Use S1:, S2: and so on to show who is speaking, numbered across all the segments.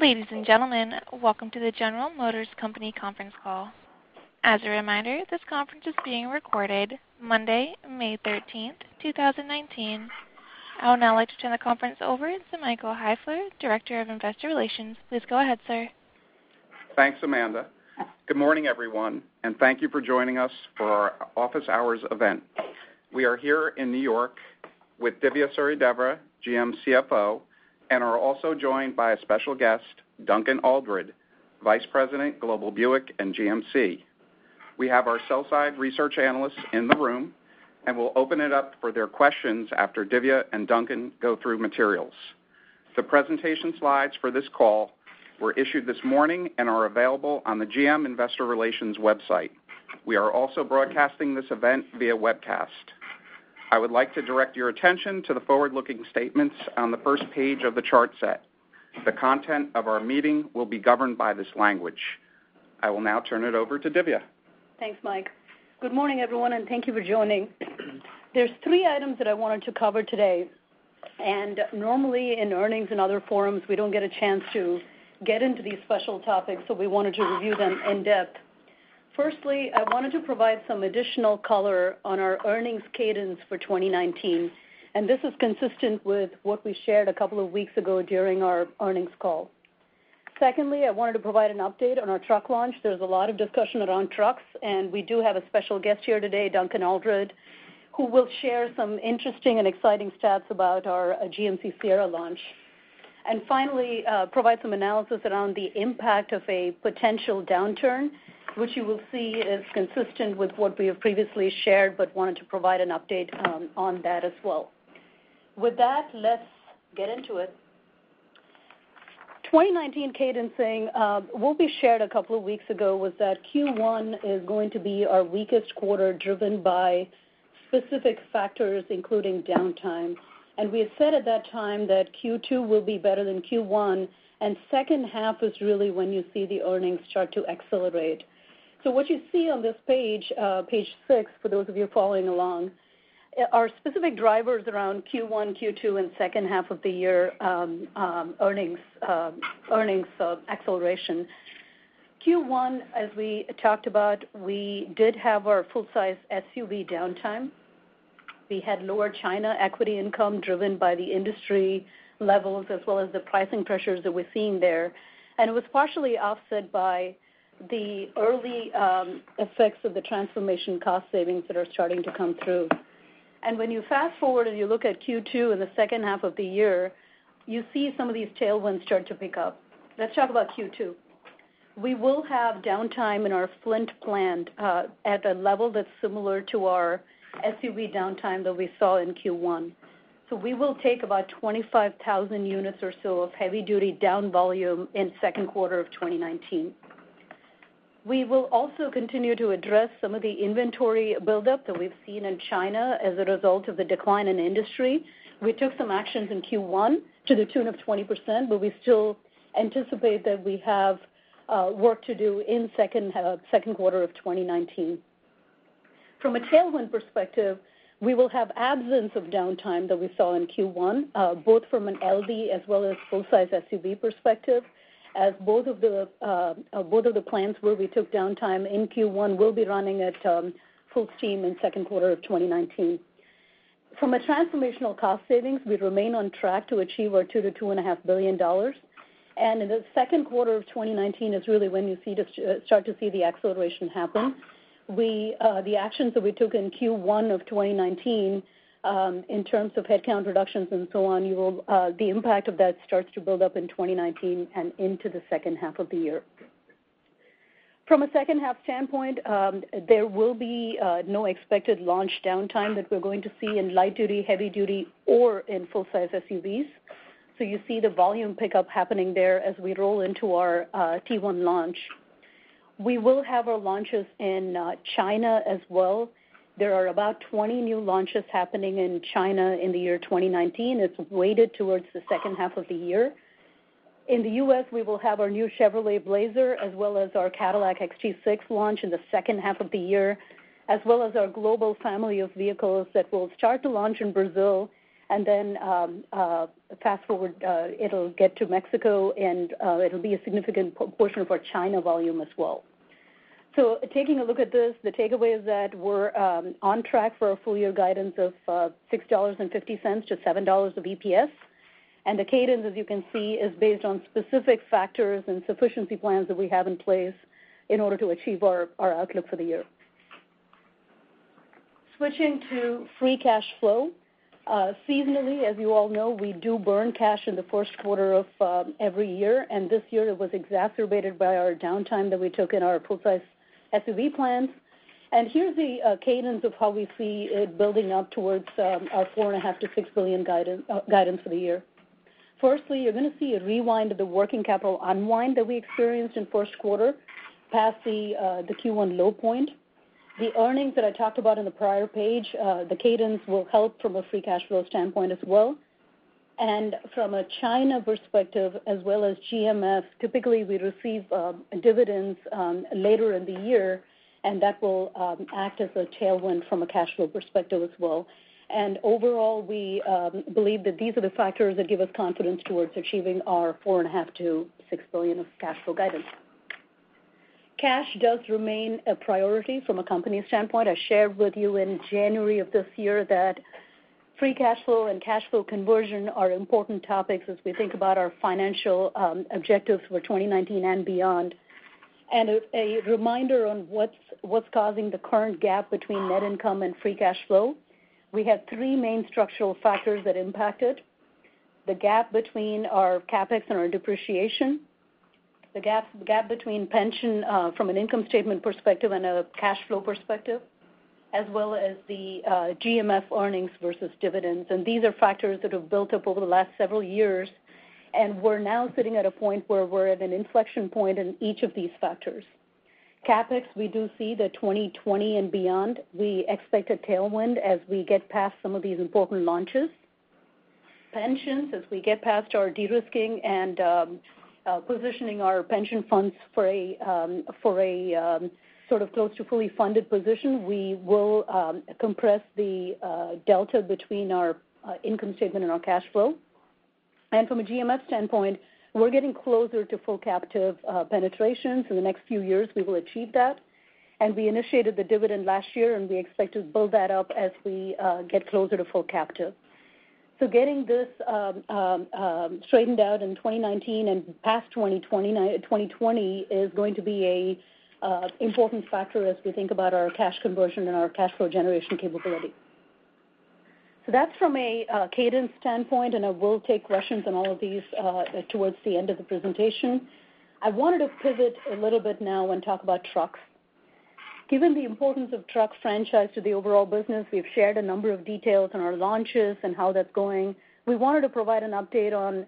S1: Ladies and gentlemen, welcome to the General Motors Company conference call. As a reminder, this conference is being recorded, Monday, May 13th, 2019. I would now like to turn the conference over to Michael Heifler, Director of Investor Relations. Please go ahead, sir.
S2: Thanks, Amanda. Good morning, everyone, and thank you for joining us for our Office Hours event. We are here in New York with Dhivya Suryadevara, GM CFO, and are also joined by a special guest, Duncan Aldred, Vice President, Global Buick and GMC. We have our sell side research analysts in the room, and we'll open it up for their questions after Dhivya and Duncan go through materials. The presentation slides for this call were issued this morning and are available on the GM Investor Relations website. We are also broadcasting this event via webcast. I would like to direct your attention to the forward-looking statements on the first page of the chart set. The content of our meeting will be governed by this language. I will now turn it over to Dhivya.
S3: Thanks, Mike. Good morning, everyone, and thank you for joining. There's three items that I wanted to cover today. Normally in earnings and other forums, we don't get a chance to get into these special topics, we wanted to review them in depth. Firstly, I wanted to provide some additional color on our earnings cadence for 2019. This is consistent with what we shared a couple of weeks ago during our earnings call. Secondly, I wanted to provide an update on our truck launch. There's a lot of discussion around trucks, we do have a special guest here today, Duncan Aldred, who will share some interesting and exciting stats about our GMC Sierra launch. Finally, provide some analysis around the impact of a potential downturn, which you will see is consistent with what we have previously shared, wanted to provide an update on that as well. With that, let's get into it. 2019 cadencing, what we shared a couple of weeks ago was that Q1 is going to be our weakest quarter driven by specific factors, including downtime. We had said at that time that Q2 will be better than Q1, second half is really when you see the earnings start to accelerate. What you see on this page six for those of you following along, are specific drivers around Q1, Q2, and second half of the year earnings acceleration. Q1, as we talked about, we did have our full-size SUV downtime. We had lower China equity income driven by the industry levels as well as the pricing pressures that we're seeing there. It was partially offset by the early effects of the transformation cost savings that are starting to come through. When you fast-forward and you look at Q2 and the second half of the year, you see some of these tailwinds start to pick up. Let's talk about Q2. We will have downtime in our Flint plant at a level that's similar to our SUV downtime that we saw in Q1. We will take about 25,000 units or so of heavy duty down volume in second quarter of 2019. We will also continue to address some of the inventory buildup that we've seen in China as a result of the decline in industry. We took some actions in Q1 to the tune of 20%. We still anticipate that we have work to do in second quarter of 2019. From a tailwind perspective, we will have absence of downtime that we saw in Q1, both from an LD as well as full-size SUV perspective, as both of the plants where we took downtime in Q1 will be running at full steam in second quarter of 2019. From a transformational cost savings, we remain on track to achieve our $2 billion to $2.5 billion. In the second quarter of 2019 is really when you start to see the acceleration happen. The actions that we took in Q1 of 2019, in terms of headcount reductions and so on, the impact of that starts to build up in 2019 and into the second half of the year. From a second half standpoint, there will be no expected launch downtime that we're going to see in light duty, heavy duty, or in full-size SUVs. You see the volume pickup happening there as we roll into our T1 launch. We will have our launches in China as well. There are about 20 new launches happening in China in the year 2019. It's weighted towards the second half of the year. In the U.S., we will have our new Chevrolet Blazer as well as our Cadillac XT6 launch in the second half of the year, as well as our global family of vehicles that will start to launch in Brazil. Then, fast-forward, it'll get to Mexico, it'll be a significant portion of our China volume as well. Taking a look at this, the takeaway is that we're on track for a full year guidance of $6.50 to $7.00 of EPS. The cadence, as you can see, is based on specific factors and sufficiency plans that we have in place in order to achieve our outlook for the year. Switching to free cash flow. Seasonally, as you all know, we do burn cash in the first quarter of every year. This year it was exacerbated by our downtime that we took in our full-size SUV plans. Here's the cadence of how we see it building up towards our $4.5 billion to $6 billion guidance for the year. Firstly, you're going to see a rewind of the working capital unwind that we experienced in first quarter past the Q1 low point. The earnings that I talked about in the prior page, the cadence will help from a free cash flow standpoint as well. From a China perspective as well as GMS, typically we receive dividends later in the year, and that will act as a tailwind from a cash flow perspective as well. Overall, we believe that these are the factors that give us confidence towards achieving our $4.5 billion-$6 billion of cash flow guidance. Cash does remain a priority from a company standpoint. I shared with you in January of this year that free cash flow and cash flow conversion are important topics as we think about our financial objectives for 2019 and beyond. A reminder on what's causing the current gap between net income and free cash flow. We have three main structural factors that impact it. The gap between our CapEx and our depreciation, the gap between pension, from an income statement perspective and a cash flow perspective, as well as the GMF earnings versus dividends. These are factors that have built up over the last several years, and we're now sitting at a point where we're at an inflection point in each of these factors. CapEx, we do see that 2020 and beyond, we expect a tailwind as we get past some of these important launches. Pensions, as we get past our de-risking and positioning our pension funds for a sort of close to fully funded position, we will compress the delta between our income statement and our cash flow. From a GMF standpoint, we're getting closer to full captive penetration. In the next few years, we will achieve that. We initiated the dividend last year, and we expect to build that up as we get closer to full captive. Getting this straightened out in 2019 and past 2020 is going to be a important factor as we think about our cash conversion and our cash flow generation capability. That's from a cadence standpoint, and I will take questions on all of these towards the end of the presentation. I wanted to pivot a little bit now and talk about trucks. Given the importance of truck franchise to the overall business, we've shared a number of details on our launches and how that's going. We wanted to provide an update on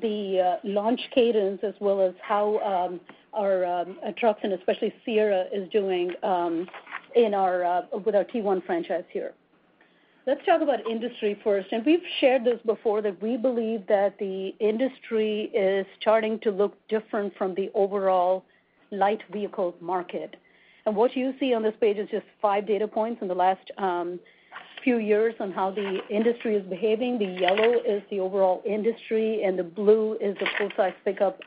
S3: the launch cadence as well as how our trucks, and especially Sierra, is doing with our T1 franchise here. Let's talk about industry first. We've shared this before, that we believe that the industry is starting to look different from the overall light vehicle market. What you see on this page is just five data points in the last few years on how the industry is behaving. The yellow is the overall industry, and the blue is the full-size pickup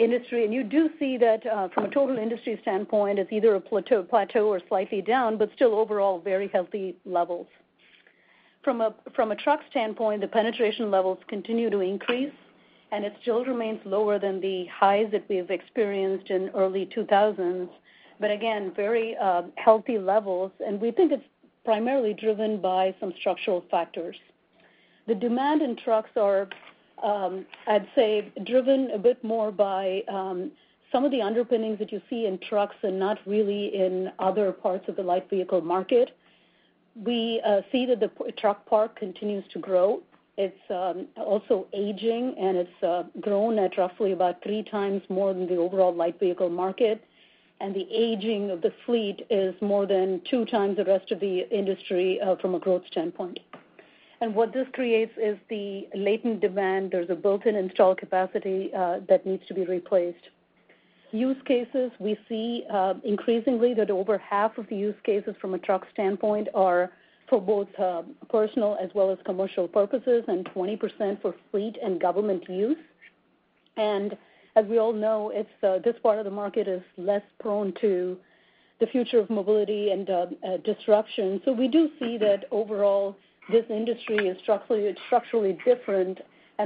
S3: industry. You do see that from a total industry standpoint, it's either a plateau or slightly down, but still overall very healthy levels. From a truck standpoint, the penetration levels continue to increase, and it still remains lower than the highs that we've experienced in early 2000s. Again, very healthy levels, and we think it's primarily driven by some structural factors. The demand in trucks are, I'd say, driven a bit more by some of the underpinnings that you see in trucks and not really in other parts of the light vehicle market. We see that the truck park continues to grow. It's also aging, and it's grown at roughly about three times more than the overall light vehicle market. The aging of the fleet is more than two times the rest of the industry from a growth standpoint. What this creates is the latent demand. There's a built-in install capacity that needs to be replaced. Use cases, we see increasingly that over half of the use cases from a truck standpoint are for both personal as well as commercial purposes, and 20% for fleet and government use. As we all know, this part of the market is less prone to the future of mobility and disruption. We do see that overall this industry is structurally different.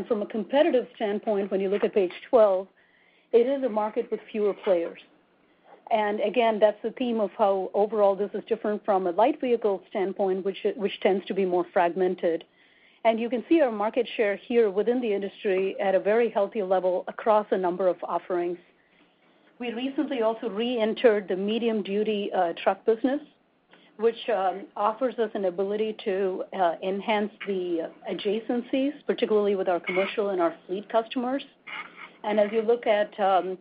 S3: From a competitive standpoint, when you look at page 12, it is a market with fewer players. Again, that's the theme of how overall this is different from a light vehicle standpoint, which tends to be more fragmented. You can see our market share here within the industry at a very healthy level across a number of offerings. We recently also re-entered the medium-duty truck business, which offers us an ability to enhance the adjacencies, particularly with our commercial and our fleet customers. As you look at the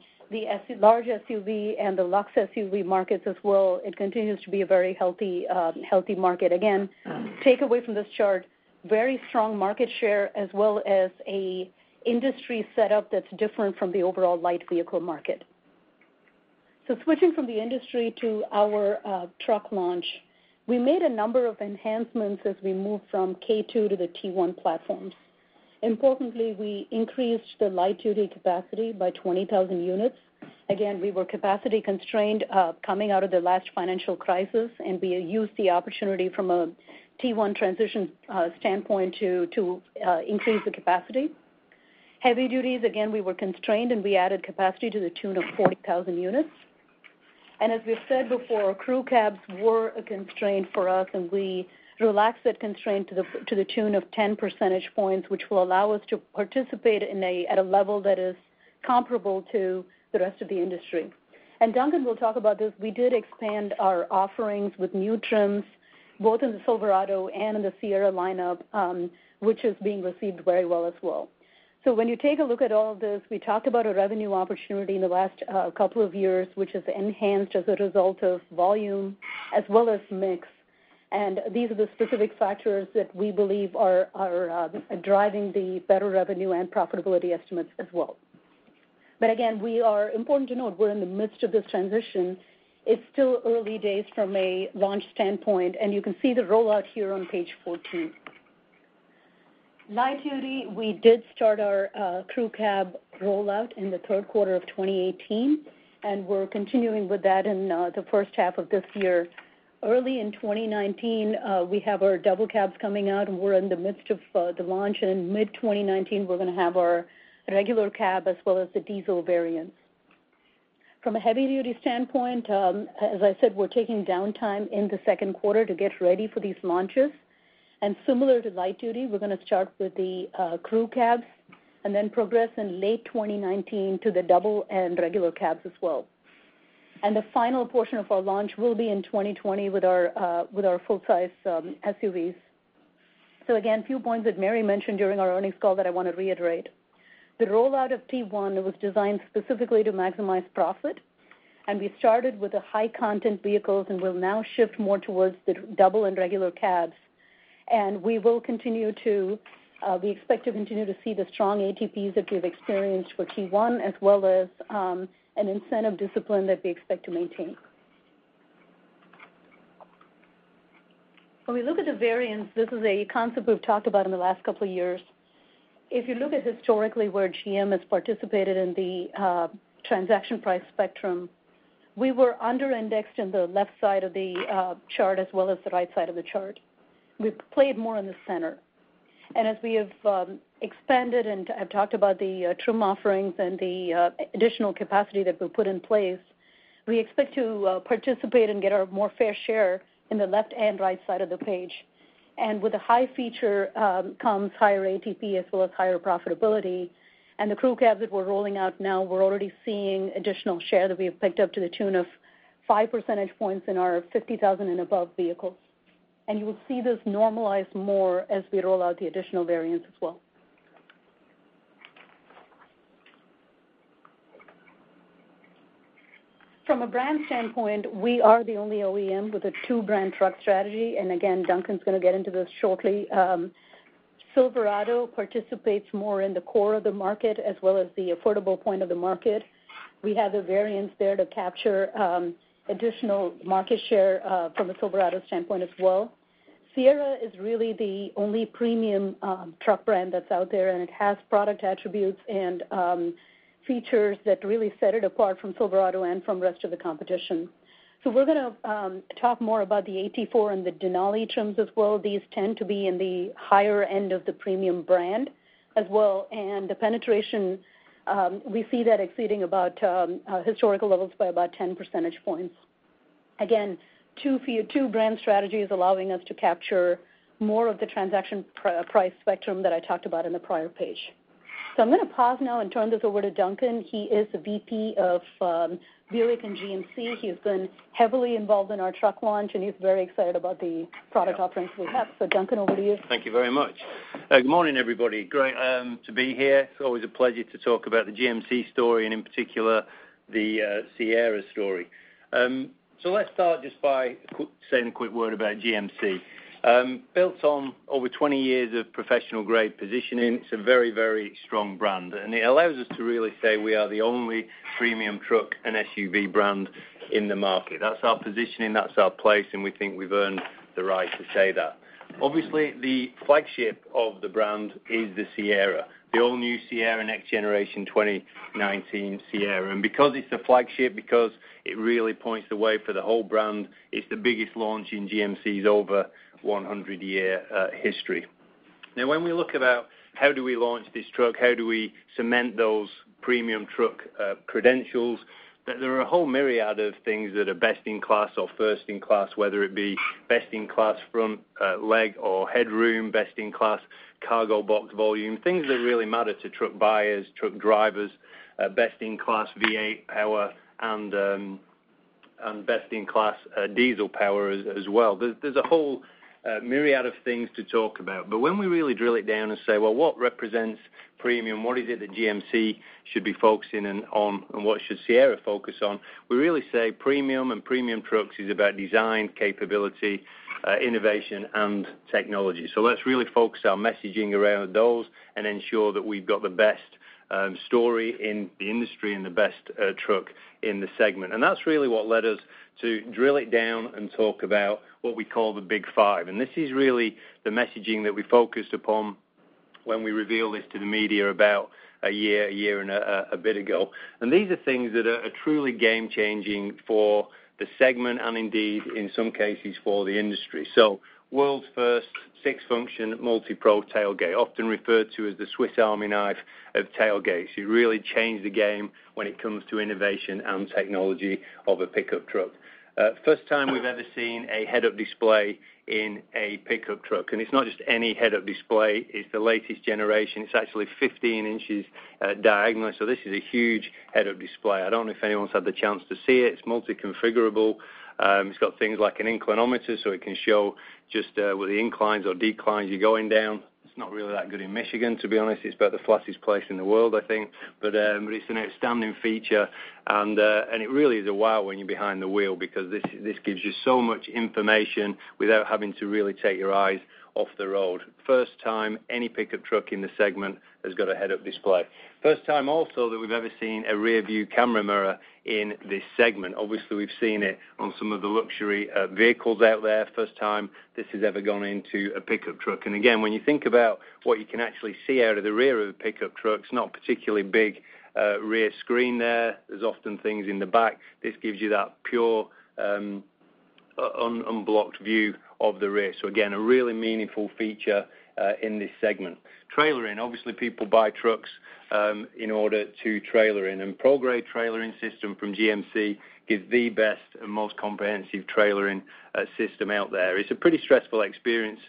S3: large SUV and the luxe SUV markets as well, it continues to be a very healthy market. Again, takeaway from this chart, very strong market share as well as a industry setup that's different from the overall light vehicle market. Switching from the industry to our truck launch. We made a number of enhancements as we moved from K2 to the T1 platforms. Importantly, we increased the light duty capacity by 20,000 units. Again, we were capacity constrained coming out of the last financial crisis, we used the opportunity from a T1 transition standpoint to increase the capacity. Heavy duties, again, we were constrained, we added capacity to the tune of 40,000 units. As we've said before, crew cabs were a constraint for us, we relaxed that constraint to the tune of 10 percentage points, which will allow us to participate at a level that is comparable to the rest of the industry. Duncan will talk about this. We did expand our offerings with new trims, both in the Silverado and in the Sierra lineup, which is being received very well as well. When you take a look at all of this, we talked about a revenue opportunity in the last couple of years, which has enhanced as a result of volume as well as mix. These are the specific factors that we believe are driving the better revenue and profitability estimates as well. Again, important to note, we're in the midst of this transition. It's still early days from a launch standpoint, you can see the rollout here on page 14. Light duty, we did start our crew cab rollout in the third quarter of 2018, we're continuing with that in the first half of this year. Early in 2019, we have our double cabs coming out. We're in the midst of the launch, in mid-2019, we're going to have our regular cab as well as the diesel variants. From a heavy-duty standpoint, as I said, we're taking downtime in the second quarter to get ready for these launches. Similar to light duty, we're going to start with the crew cabs and then progress in late 2019 to the double and regular cabs as well. The final portion of our launch will be in 2020 with our full-size SUVs. Again, few points that Mary mentioned during our earnings call that I want to reiterate. The rollout of T1 was designed specifically to maximize profit. We started with the high-content vehicles and will now shift more towards the double and regular cabs. We expect to continue to see the strong ATPs that we've experienced with T1, as well as an incentive discipline that we expect to maintain. When we look at the variants, this is a concept we've talked about in the last couple of years. If you look at historically where GM has participated in the transaction price spectrum, we were under-indexed in the left side of the chart, as well as the right side of the chart. We've played more in the center. As we have expanded, and I've talked about the trim offerings and the additional capacity that we've put in place, we expect to participate and get a more fair share in the left and right side of the page. With the high feature comes higher ATP as well as higher profitability. The crew cab that we're rolling out now, we're already seeing additional share that we have picked up to the tune of five percentage points in our 50,000 and above vehicles. You will see this normalize more as we roll out the additional variants as well. From a brand standpoint, we are the only OEM with a two-brand truck strategy, and again, Duncan's going to get into this shortly. Silverado participates more in the core of the market, as well as the affordable point of the market. We have the variants there to capture additional market share from a Silverado standpoint as well. Sierra is really the only premium truck brand that's out there, and it has product attributes and features that really set it apart from Silverado and from the rest of the competition. We're going to talk more about the AT4 and the Denali trims as well. These tend to be in the higher end of the premium brand as well. The penetration, we see that exceeding about historical levels by about 10 percentage points. Again, two brand strategies allowing us to capture more of the transaction price spectrum that I talked about on the prior page. I'm going to pause now and turn this over to Duncan. He is the VP of Buick and GMC. He's been heavily involved in our truck launch, and he's very excited about the product offerings we have. Duncan, over to you.
S4: Thank you very much. Good morning, everybody. Great to be here. It's always a pleasure to talk about the GMC story, and in particular, the Sierra story. Let's start just by saying a quick word about GMC. Built on over 20 years of professional-grade positioning, it's a very, very strong brand, and it allows us to really say we are the only premium truck and SUV brand in the market. That's our positioning, that's our place, and we think we've earned the right to say that. Obviously, the flagship of the brand is the Sierra, the all-new Sierra next generation 2019 Sierra. Because it's the flagship, because it really points the way for the whole brand, it's the biggest launch in GMC's over 100-year history. When we look about how do we launch this truck, how do we cement those premium truck credentials, there are a whole myriad of things that are best in class or first in class, whether it be best in class front leg or headroom, best in class cargo box volume, things that really matter to truck buyers, truck drivers, best in class V8 power, and best in class diesel power as well. There's a whole myriad of things to talk about. When we really drill it down and say, "Well, what represents premium? What is it that GMC should be focusing on, and what should Sierra focus on?" We really say premium and premium trucks is about design capability, innovation, and technology. Let's really focus our messaging around those and ensure that we've got the best story in the industry and the best truck in the segment. That's really what led us to drill it down and talk about what we call the big five. This is really the messaging that we focused upon when we revealed this to the media about a year and a bit ago. These are things that are truly game-changing for the segment, and indeed, in some cases, for the industry. World's first 6-function MultiPro tailgate, often referred to as the Swiss Army knife of tailgates. You really change the game when it comes to innovation and technology of a pickup truck. First time we've ever seen a head-up display in a pickup truck, and it's not just any head-up display, it's the latest generation. It's actually 15 inches diagonal. This is a huge head-up display. I don't know if anyone's had the chance to see it. It's multi-configurable. It's got things like an inclinometer, it can show just with the inclines or declines you're going down. It's not really that good in Michigan, to be honest. It's about the flattest place in the world, I think. It's an outstanding feature. And it really is a wow when you're behind the wheel because this gives you so much information without having to really take your eyes off the road. First time any pickup truck in the segment has got a head-up display. First time also that we've ever seen a rearview camera mirror in this segment. Obviously, we've seen it on some of the luxury vehicles out there. First time this has ever gone into a pickup truck. Again, when you think about what you can actually see out of the rear of a pickup truck, it's not a particularly big rear screen there. There's often things in the back. This gives you that pure, unblocked view of the rear. Again, a really meaningful feature in this segment. Trailering. Obviously, people buy trucks in order to trailer. ProGrade Trailering System from GMC is the best and most comprehensive trailering system out there. It's a pretty stressful experience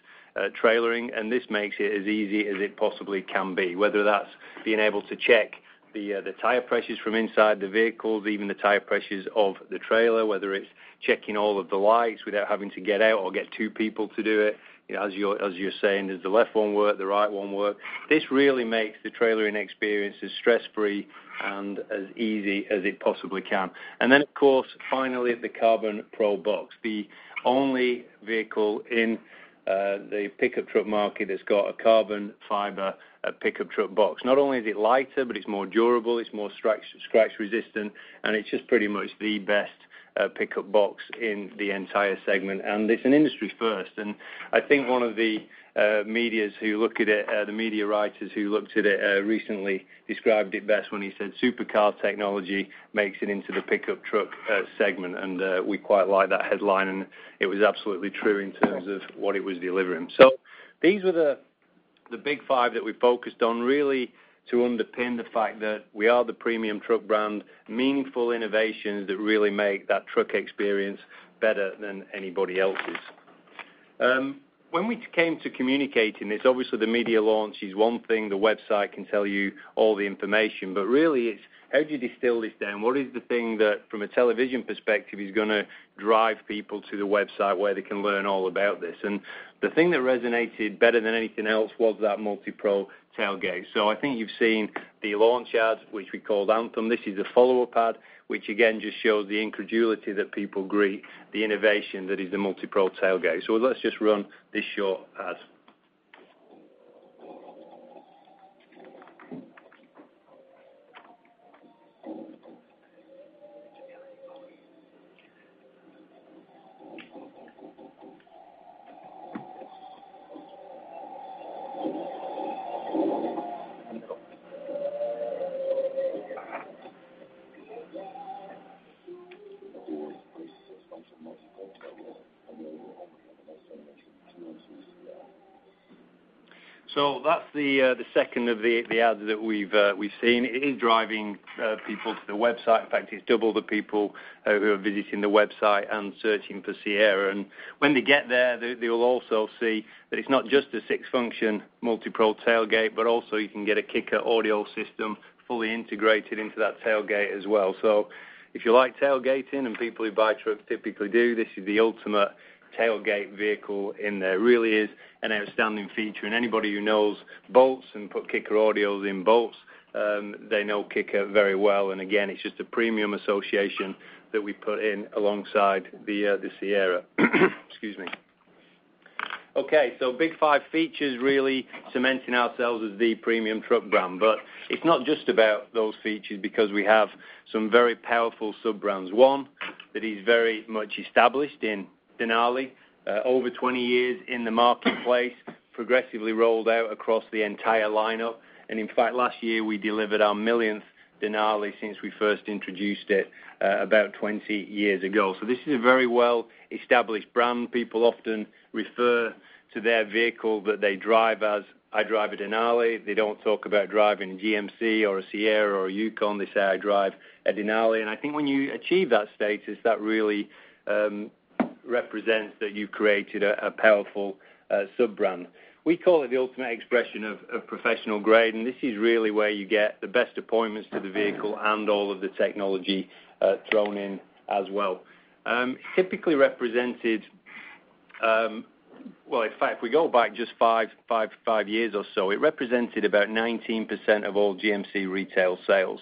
S4: trailering, and this makes it as easy as it possibly can be, whether that's being able to check the tire pressures from inside the vehicle, even the tire pressures of the trailer, whether it's checking all of the lights without having to get out or get two people to do it. As you were saying, does the left one work, the right one work? This really makes the trailering experience as stress-free and as easy as it possibly can. Then, of course, finally, the CarbonPro Box, the only vehicle in the pickup truck market that's got a carbon fiber pickup truck box. Not only is it lighter, but it's more durable, it's more scratch-resistant, and it's just pretty much the best pickup box in the entire segment. It's an industry first. I think one of the media writers who looked at it recently described it best when he said, "Super car technology makes it into the pickup truck segment." We quite like that headline, and it was absolutely true in terms of what it was delivering. These were the big five that we focused on, really to underpin the fact that we are the premium truck brand, meaningful innovations that really make that truck experience better than anybody else's. When we came to communicating this, obviously, the media launch is one thing. The website can tell you all the information. Really, it's how do you distill this down? What is the thing that, from a television perspective, is going to drive people to the website where they can learn all about this? The thing that resonated better than anything else was that MultiPro Tailgate. I think you've seen the launch ad, which we called Anthem. This is a follow-up ad, which again just shows the incredulity that people greet the innovation that is the MultiPro Tailgate. Let's just run this short ad. That's the second of the ads that we've seen. It is driving people to the website. In fact, it's double the people who are visiting the website and searching for Sierra. When they get there, they will also see that it's not just a six-function MultiPro Tailgate, but also you can get a Kicker Audio system fully integrated into that tailgate as well. If you like tailgating, and people who buy trucks typically do, this is the ultimate tailgate vehicle, and it really is an outstanding feature. Anybody who knows boats and put Kicker Audios in boats, they know Kicker very well. Again, it's just a premium association that we put in alongside the Sierra. Excuse me. Okay, big five features really cementing ourselves as the premium truck brand. It's not just about those features because we have some very powerful sub-brands. One that is very much established in Denali. Over 20 years in the marketplace, progressively rolled out across the entire lineup. In fact, last year, we delivered our millionth Denali since we first introduced it about 20 years ago. This is a very well-established brand. People often refer to their vehicle that they drive as, "I drive a Denali." They don't talk about driving a GMC or a Sierra or a Yukon. They say, "I drive a Denali." I think when you achieve that status, that really represents that you've created a powerful sub-brand. We call it the ultimate expression of professional grade, and this is really where you get the best appointments to the vehicle and all of the technology thrown in as well. Typically represented. Well, in fact, if we go back just five years or so, it represented about 19% of all GMC retail sales.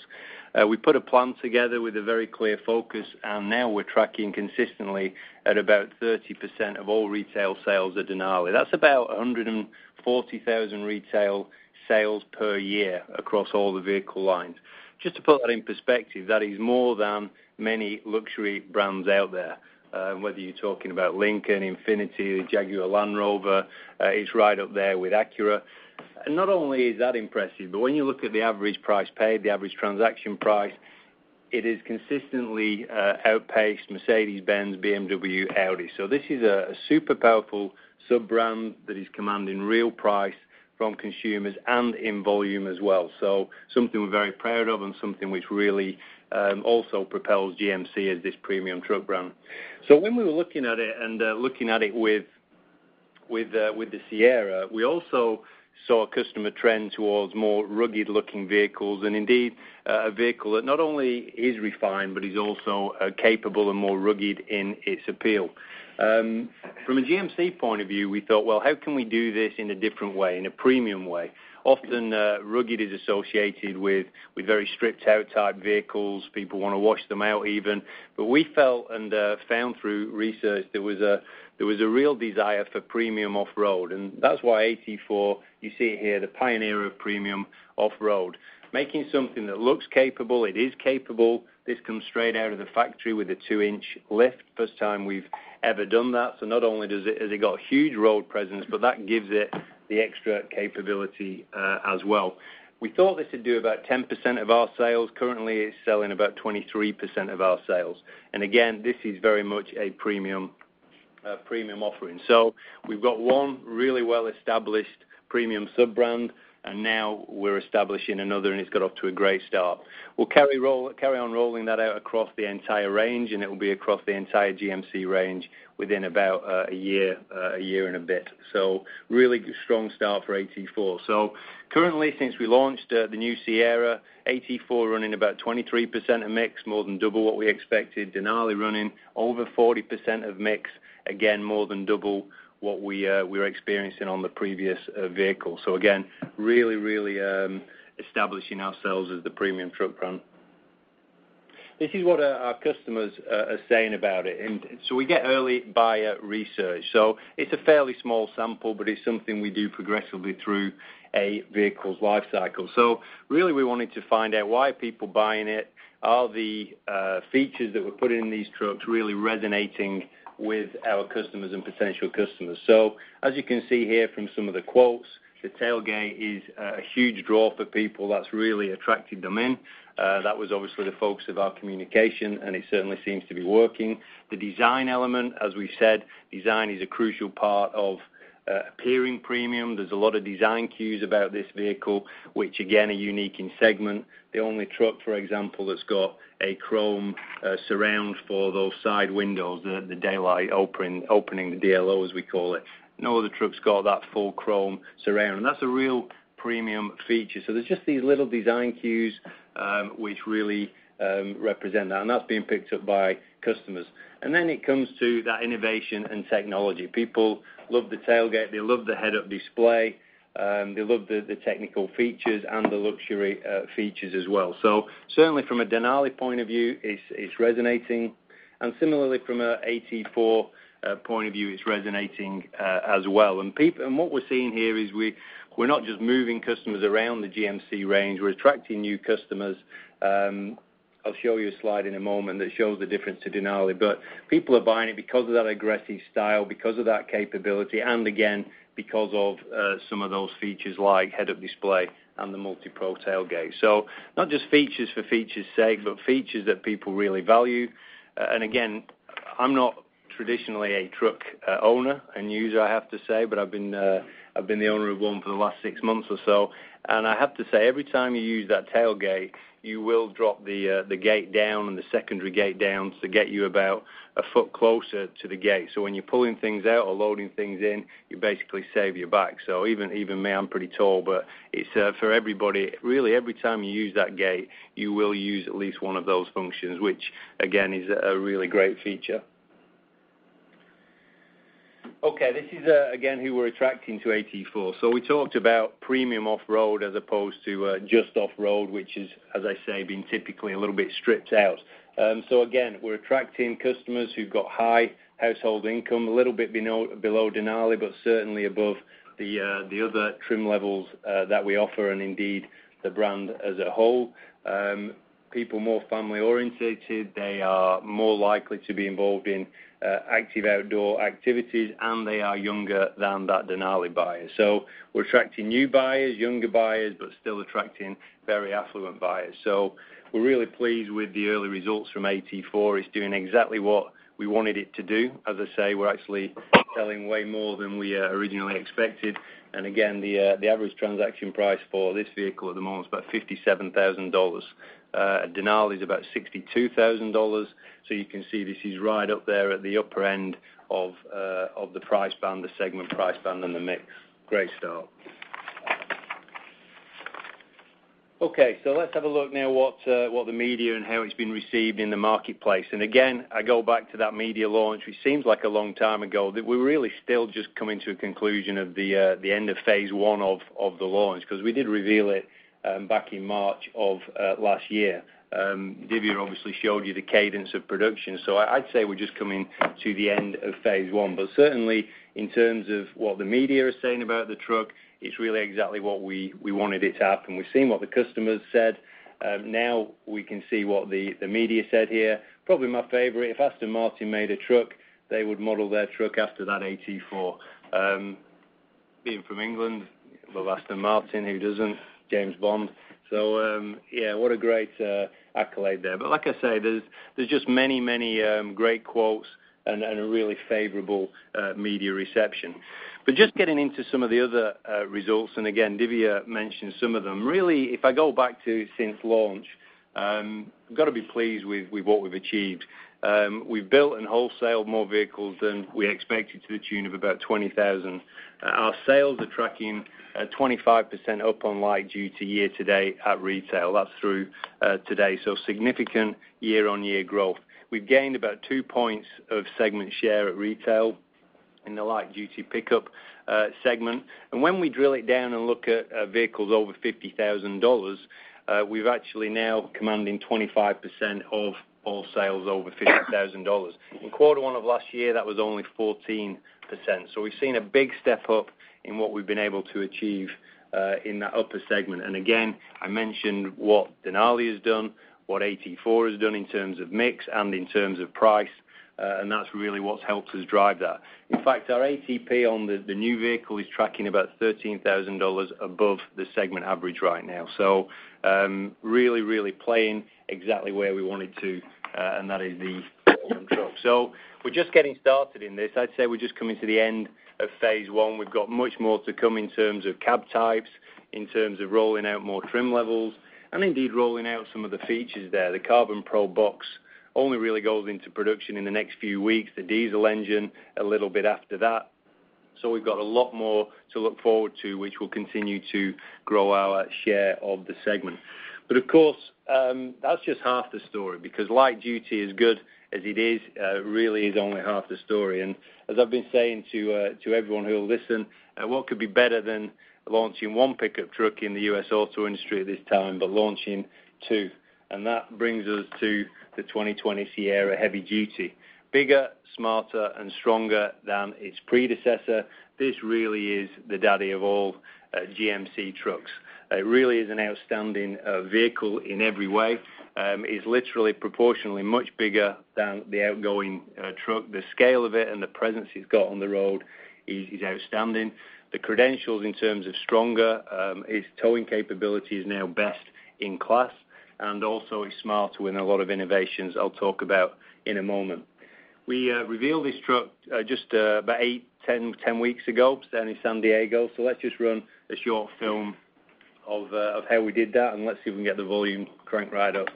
S4: We put a plan together with a very clear focus. Now we're tracking consistently at about 30% of all retail sales are Denali. That's about 140,000 retail sales per year across all the vehicle lines. Just to put that in perspective, that is more than many luxury brands out there, whether you're talking about Lincoln, Infiniti, Jaguar, Land Rover. It's right up there with Acura. Not only is that impressive, but when you look at the average price paid, the average transaction price, it has consistently outpaced Mercedes-Benz, BMW, Audi. This is a super powerful sub-brand that is commanding real price from consumers and in volume as well. Something we're very proud of and something which really also propels GMC as this premium truck brand. When we were looking at it and looking at it with the Sierra, we also saw a customer trend towards more rugged-looking vehicles, and indeed, a vehicle that not only is refined, but is also capable and more rugged in its appeal. From a GMC point of view, we thought, "Well, how can we do this in a different way, in a premium way?" Often, rugged is associated with very stripped-out type vehicles. People want to wash them out even. We felt and found through research, there was a real desire for premium off-road. That's why AT4, you see it here, the pioneer of premium off-road. Making something that looks capable, it is capable. This comes straight out of the factory with a two-inch lift. First time we've ever done that. Not only has it got huge road presence, but that gives it the extra capability as well. We thought this would do about 10% of our sales. Currently, it's selling about 23% of our sales. Again, this is very much a premium offering. We've got one really well-established premium sub-brand, now we're establishing another, and it's got off to a great start. It will carry on rolling that out across the entire range, and it will be across the entire GMC range within about a year and a bit. Really strong start for AT4. Currently, since we launched the new Sierra, AT4 running about 23% of mix, more than double what we expected. Denali running over 40% of mix, again, more than double what we were experiencing on the previous vehicle. Again, really establishing ourselves as the premium truck brand. This is what our customers are saying about it. We get early buyer research. It's a fairly small sample, but it's something we do progressively through a vehicle's life cycle. Really, we wanted to find out why are people buying it. Are the features that we're putting in these trucks really resonating with our customers and potential customers? As you can see here from some of the quotes, the tailgate is a huge draw for people. That's really attracted them in. That was obviously the focus of our communication, and it certainly seems to be working. The design element, as we've said, design is a crucial part of appearing premium. There's a lot of design cues about this vehicle, which again, are unique in segment. The only truck, for example, that's got a chrome surround for those side windows, the daylight opening, the DLO, as we call it. No other truck's got that full chrome surround, and that's a real premium feature. There's just these little design cues, which really represent that, and that's being picked up by customers. Then it comes to that innovation and technology. People love the tailgate, they love the head-up display, they love the technical features, and the luxury features as well. Certainly from a Denali point of view, it's resonating. Similarly from a AT4 point of view, it's resonating as well. What we're seeing here is we're not just moving customers around the GMC range, we're attracting new customers. I'll show you a slide in a moment that shows the difference to Denali, people are buying it because of that aggressive style, because of that capability, and again, because of some of those features like head-up display and the MultiPro tailgate. Not just features for features' sake, but features that people really value. Again, I'm not traditionally a truck owner and user, I have to say, but I've been the owner of one for the last six months or so, and I have to say, every time you use that tailgate, you will drop the gate down and the secondary gate down to get you about a foot closer to the gate. When you're pulling things out or loading things in, you basically save your back. Even me, I'm pretty tall, but it's for everybody. Really, every time you use that gate, you will use at least one of those functions, which again, is a really great feature. Okay. This is, again, who we're attracting to AT4. We talked about premium off-road as opposed to just off-road, which is, as I say, being typically a little bit stripped out. Again, we're attracting customers who've got high household income, a little bit below Denali, but certainly above the other trim levels that we offer and indeed the brand as a whole. People more family orientated, they are more likely to be involved in active outdoor activities, and they are younger than that Denali buyer. We're attracting new buyers, younger buyers, but still attracting very affluent buyers. We're really pleased with the early results from AT4. It's doing exactly what we wanted it to do. As I say, we're actually selling way more than we originally expected. Again, the average transaction price for this vehicle at the moment is about $57,000. Denali is about $62,000. You can see this is right up there at the upper end of the price band, the segment price band, and the mix. Great start. Okay. Let's have a look now what the media and how it's been received in the marketplace. Again, I go back to that media launch, which seems like a long time ago, that we're really still just coming to a conclusion of the end of phase one of the launch, because we did reveal it back in March of last year. Dhivya obviously showed you the cadence of production. I'd say we're just coming to the end of phase one. Certainly, in terms of what the media is saying about the truck, it's really exactly what we wanted it to have. We've seen what the customers said. Now we can see what the media said here. Probably my favorite, "If Aston Martin made a truck, they would model their truck after that AT4." Being from England, I love Aston Martin. Who doesn't? James Bond. Yeah, what a great accolade there. Like I said, there's just many great quotes and a really favorable media reception. Just getting into some of the other results, again, Dhivya mentioned some of them. Really, if I go back to since launch, got to be pleased with what we've achieved. We've built and wholesaled more vehicles than we expected to the tune of about 20,000. Our sales are tracking at 25% up on light duty year-to-date at retail. That's through today. Significant year-on-year growth. We've gained about two points of segment share at retail in the light duty pickup segment. When we drill it down and look at vehicles over $50,000, we're actually now commanding 25% of all sales over $50,000. In quarter one of last year, that was only 14%. We've seen a big step up in what we've been able to achieve in that upper segment. Again, I mentioned what Denali has done, what AT4 has done in terms of mix and in terms of price, and that's really what's helped us drive that. In fact, our ATP on the new vehicle is tracking about $13,000 above the segment average right now. Really playing exactly where we wanted to, and that is the pickup truck. We're just getting started in this. I'd say we're just coming to the end of phase one. We've got much more to come in terms of cab types, in terms of rolling out more trim levels, and indeed rolling out some of the features there. The CarbonPro Box only really goes into production in the next few weeks, the diesel engine a little bit after that. We've got a lot more to look forward to, which will continue to grow our share of the segment. Of course, that's just half the story because light duty, as good as it is, really is only half the story. As I've been saying to everyone who will listen, what could be better than launching one pickup truck in the U.S. auto industry at this time, but launching two? That brings us to the 2020 Sierra Heavy Duty. Bigger, smarter, and stronger than its predecessor. This really is the daddy of all GMC trucks. It really is an outstanding vehicle in every way. It's literally proportionally much bigger than the outgoing truck. The scale of it and the presence it's got on the road is outstanding. The credentials in terms of stronger, its towing capability is now best in class and also it's smarter with a lot of innovations I'll talk about in a moment. We revealed this truck just about eight, 10 weeks ago, was down in San Diego. Let's just run a short film of how we did that, and let's see if we can get the volume cranked right up.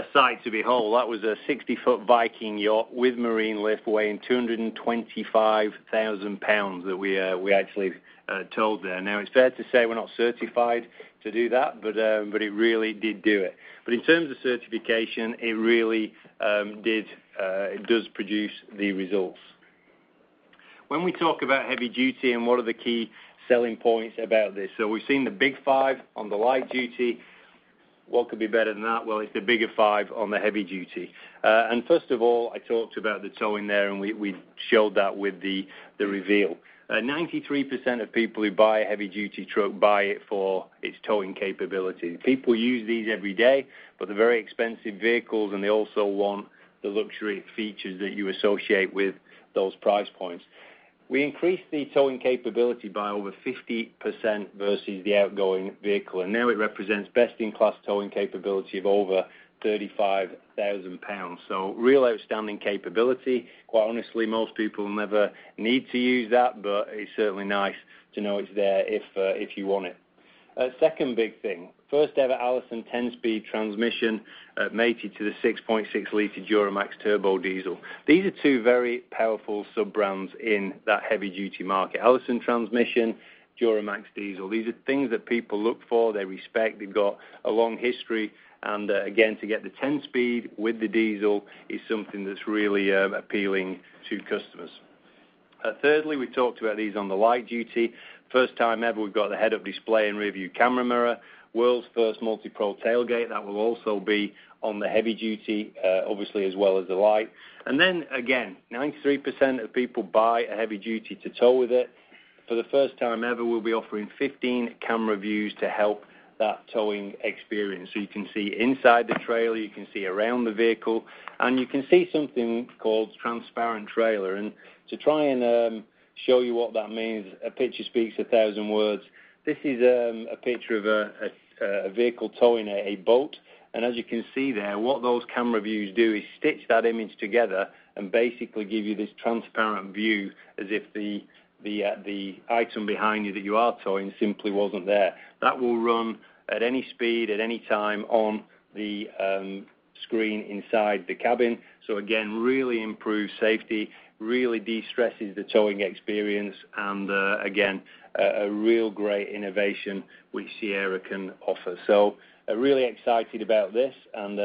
S4: That was really a sight to behold. That was a 60-foot Viking yacht with marine lift weighing 225,000 pounds that we actually towed there. It's fair to say we're not certified to do that, but it really did do it. In terms of certification, it really does produce the results. When we talk about heavy duty and what are the key selling points about this, we've seen the big five on the light duty. What could be better than that? It's the bigger five on the heavy duty. First of all, I talked about the towing there, and we showed that with the reveal. 93% of people who buy a heavy duty truck buy it for its towing capability. People use these every day, but they're very expensive vehicles, and they also want the luxury features that you associate with those price points. We increased the towing capability by over 50% versus the outgoing vehicle, and now it represents best in class towing capability of over 35,000 pounds. Real outstanding capability. Quite honestly, most people will never need to use that, but it's certainly nice to know it's there if you want it. Second big thing, first ever Allison 10-speed transmission mated to the 6.6 liter Duramax turbo diesel. These are two very powerful sub-brands in that heavy duty market. Allison Transmission, Duramax diesel. These are things that people look for, they respect. They've got a long history, and again, to get the 10-speed with the diesel is something that's really appealing to customers. Thirdly, we talked about these on the light duty. First time ever, we've got the head-up display and rearview camera mirror. World's first MultiPro tailgate. That will also be on the heavy duty, obviously as well as the light. Again, 93% of people buy a heavy duty to tow with it. For the first time ever, we'll be offering 15 camera views to help that towing experience. You can see inside the trailer, you can see around the vehicle, and you can see something called transparent trailer. To try and show you what that means, a picture speaks a thousand words. This is a picture of a vehicle towing a boat. As you can see there, what those camera views do is stitch that image together and basically give you this transparent view as if the item behind you that you are towing simply wasn't there. That will run at any speed at any time on the screen inside the cabin. Again, really improved safety, really de-stresses the towing experience, and again, a real great innovation which Sierra can offer. Really excited about this and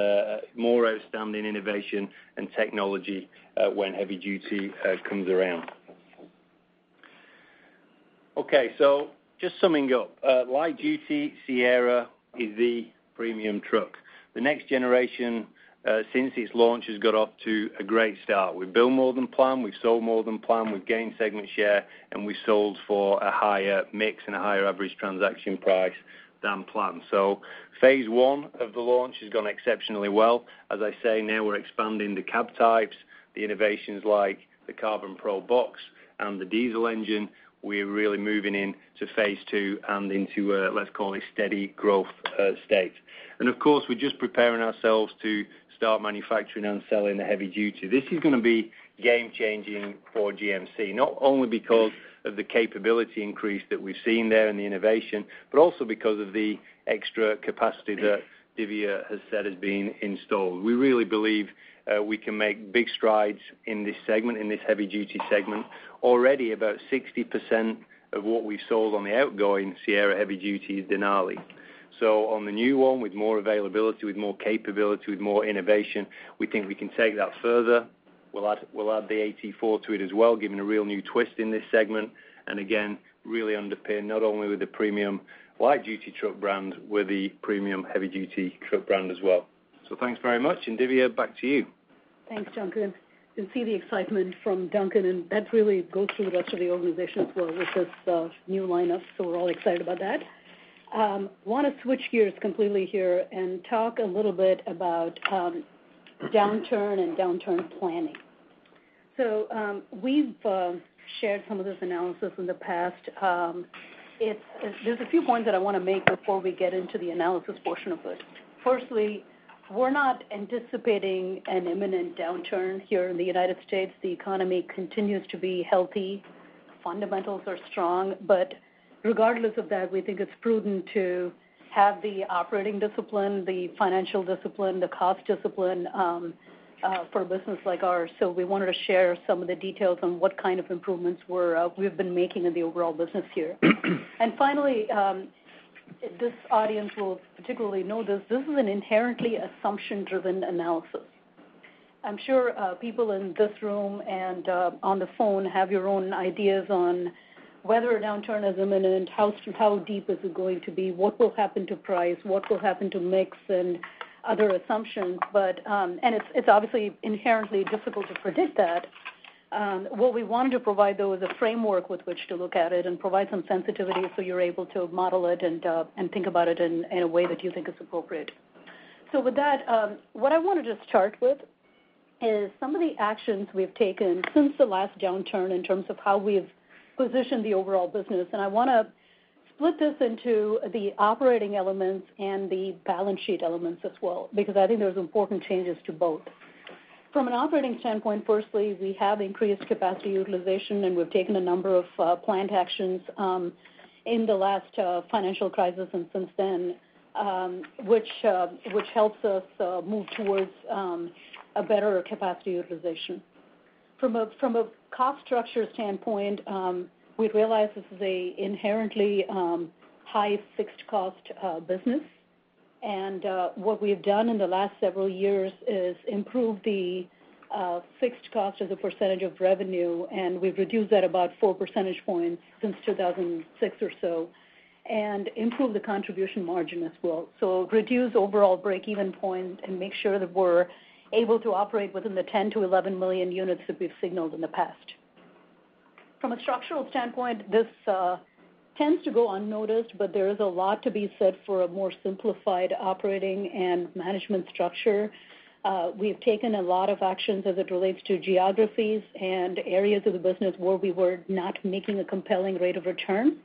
S4: more outstanding innovation and technology when heavy duty comes around. Okay, just summing up. Light duty Sierra is the premium truck. The next generation, since its launch, has got off to a great start. We've built more than planned, we've sold more than planned, we've gained segment share, and we sold for a higher mix and a higher average transaction price than planned. Phase 1 of the launch has gone exceptionally well. As I say, now we're expanding the cab types, the innovations like the CarbonPro Box and the diesel engine. We're really moving into phase 2 and into a, let's call it, steady growth state. Of course, we're just preparing ourselves to start manufacturing and selling the heavy duty. This is going to be game-changing for GMC, not only because of the capability increase that we've seen there and the innovation, but also because of the extra capacity that Dhivya has said is being installed. We really believe we can make big strides in this segment, in this heavy-duty segment. Already about 60% of what we've sold on the outgoing Sierra heavy duty is Denali. On the new one, with more availability, with more capability, with more innovation, we think we can take that further. We'll add the AT4 to it as well, giving a real new twist in this segment, and again, really underpin not only with the premium light duty truck brand, with the premium heavy duty truck brand as well. Thanks very much, and Dhivya, back to you.
S3: Thanks, Duncan. You can see the excitement from Duncan, and that really goes through the rest of the organization as well with this new lineup. We're all excited about that. Want to switch gears completely here and talk a little bit about downturn and downturn planning. We've shared some of this analysis in the past. There's a few points that I want to make before we get into the analysis portion of this. Firstly, we're not anticipating an imminent downturn here in the U.S. The economy continues to be healthy. Fundamentals are strong. Regardless of that, we think it's prudent to have the operating discipline, the financial discipline, the cost discipline for a business like ours. We wanted to share some of the details on what kind of improvements we've been making in the overall business here. Finally, this audience will particularly know this. This is an inherently assumption-driven analysis. I'm sure people in this room and on the phone have your own ideas on whether a downturn is imminent, how deep is it going to be, what will happen to price, what will happen to mix, and other assumptions. It's obviously inherently difficult to predict that. What we wanted to provide, though, is a framework with which to look at it and provide some sensitivity so you're able to model it and think about it in a way that you think is appropriate. With that, what I want to just start with is some of the actions we've taken since the last downturn in terms of how we've positioned the overall business. I want to split this into the operating elements and the balance sheet elements as well, because I think there's important changes to both. From an operating standpoint, firstly, we have increased capacity utilization. We've taken a number of planned actions in the last financial crisis and since then, which helps us move towards a better capacity utilization. From a cost structure standpoint, we've realized this is an inherently high fixed cost business. What we've done in the last several years is improve the fixed cost as a percentage of revenue. We've reduced that about four percentage points since 2006 or so and improved the contribution margin as well. Reduced overall break-even point and make sure that we're able to operate within the 10-11 million units that we've signaled in the past. From a structural standpoint, this tends to go unnoticed, but there is a lot to be said for a more simplified operating and management structure. We've taken a lot of actions as it relates to geographies and areas of the business where we were not making a compelling rate of return.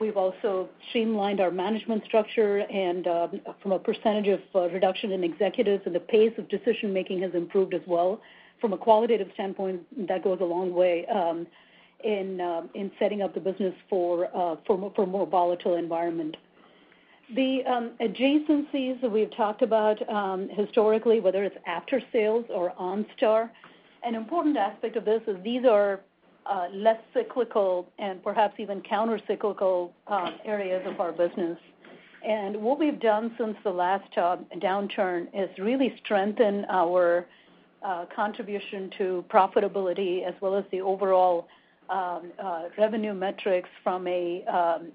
S3: We've also streamlined our management structure. From a percentage of reduction in executives and the pace of decision-making has improved as well. From a qualitative standpoint, that goes a long way in setting up the business for a more volatile environment. The adjacencies that we've talked about historically, whether it's after-sales or OnStar, an important aspect of this is these are less cyclical and perhaps even counter-cyclical areas of our business. What we've done since the last downturn is really strengthen our contribution to profitability as well as the overall revenue metrics from an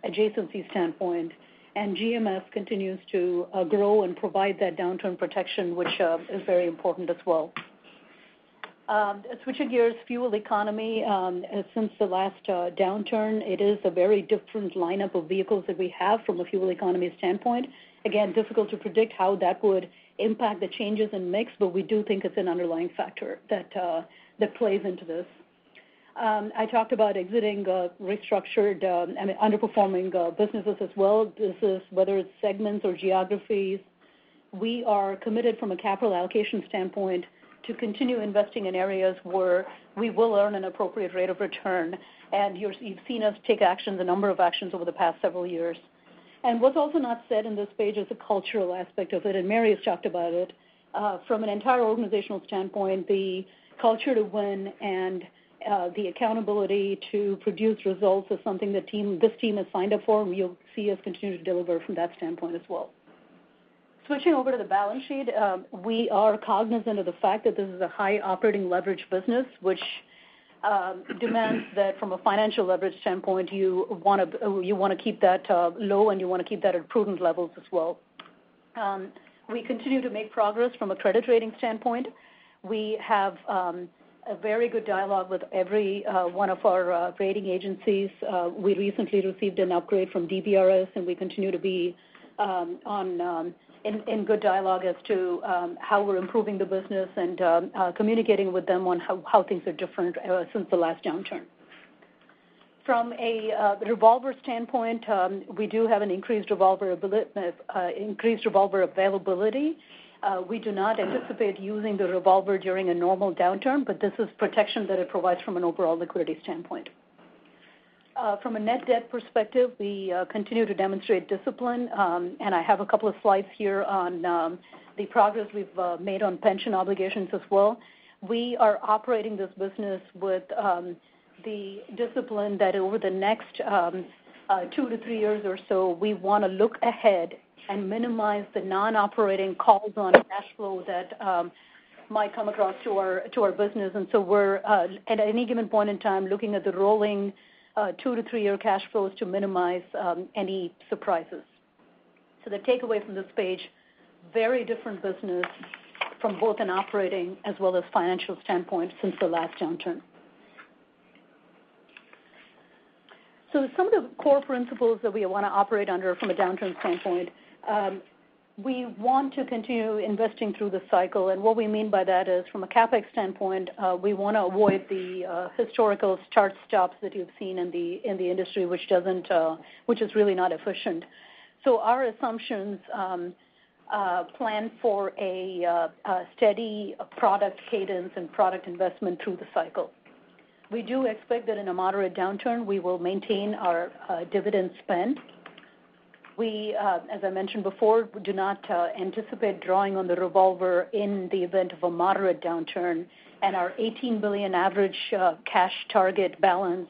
S3: adjacency standpoint. GMS continues to grow and provide that downturn protection, which is very important as well. Switching gears, fuel economy. Since the last downturn, it is a very different lineup of vehicles that we have from a fuel economy standpoint. Again, difficult to predict how that would impact the changes in mix, but we do think it's an underlying factor that plays into this. I talked about exiting restructured and underperforming businesses as well. This is whether it's segments or geographies. We are committed from a capital allocation standpoint to continue investing in areas where we will earn an appropriate rate of return. You've seen us take actions, a number of actions over the past several years. What's also not said in this page is the cultural aspect of it, and Mary has talked about it. From an entire organizational standpoint, the culture to win and the accountability to produce results is something this team has signed up for, and you'll see us continue to deliver from that standpoint as well. Switching over to the balance sheet. We are cognizant of the fact that this is a high operating leverage business, which demands that from a financial leverage standpoint, you want to keep that low, and you want to keep that at prudent levels as well. We continue to make progress from a credit rating standpoint. We have a very good dialogue with every one of our rating agencies. We recently received an upgrade from DBRS, and we continue to be in good dialogue as to how we're improving the business and communicating with them on how things are different since the last downturn. From a revolver standpoint, we do have an increased revolver availability. We do not anticipate using the revolver during a normal downturn, but this is protection that it provides from an overall liquidity standpoint. From a net debt perspective, we continue to demonstrate discipline, and I have a couple of slides here on the progress we've made on pension obligations as well. We are operating this business with the discipline that over the next two to three years or so, we want to look ahead and minimize the non-operating calls on cash flow that might come across to our business. We're, at any given point in time, looking at the rolling two- to three-year cash flows to minimize any surprises. The takeaway from this page, very different business from both an operating as well as financial standpoint since the last downturn. Some of the core principles that we want to operate under from a downturn standpoint. We want to continue investing through the cycle. What we mean by that is, from a CapEx standpoint, we want to avoid the historical start stops that you've seen in the industry, which is really not efficient. Our assumptions plan for a steady product cadence and product investment through the cycle. We do expect that in a moderate downturn, we will maintain our dividend spend. We, as I mentioned before, do not anticipate drawing on the revolver in the event of a moderate downturn, and our $18 billion average cash target balance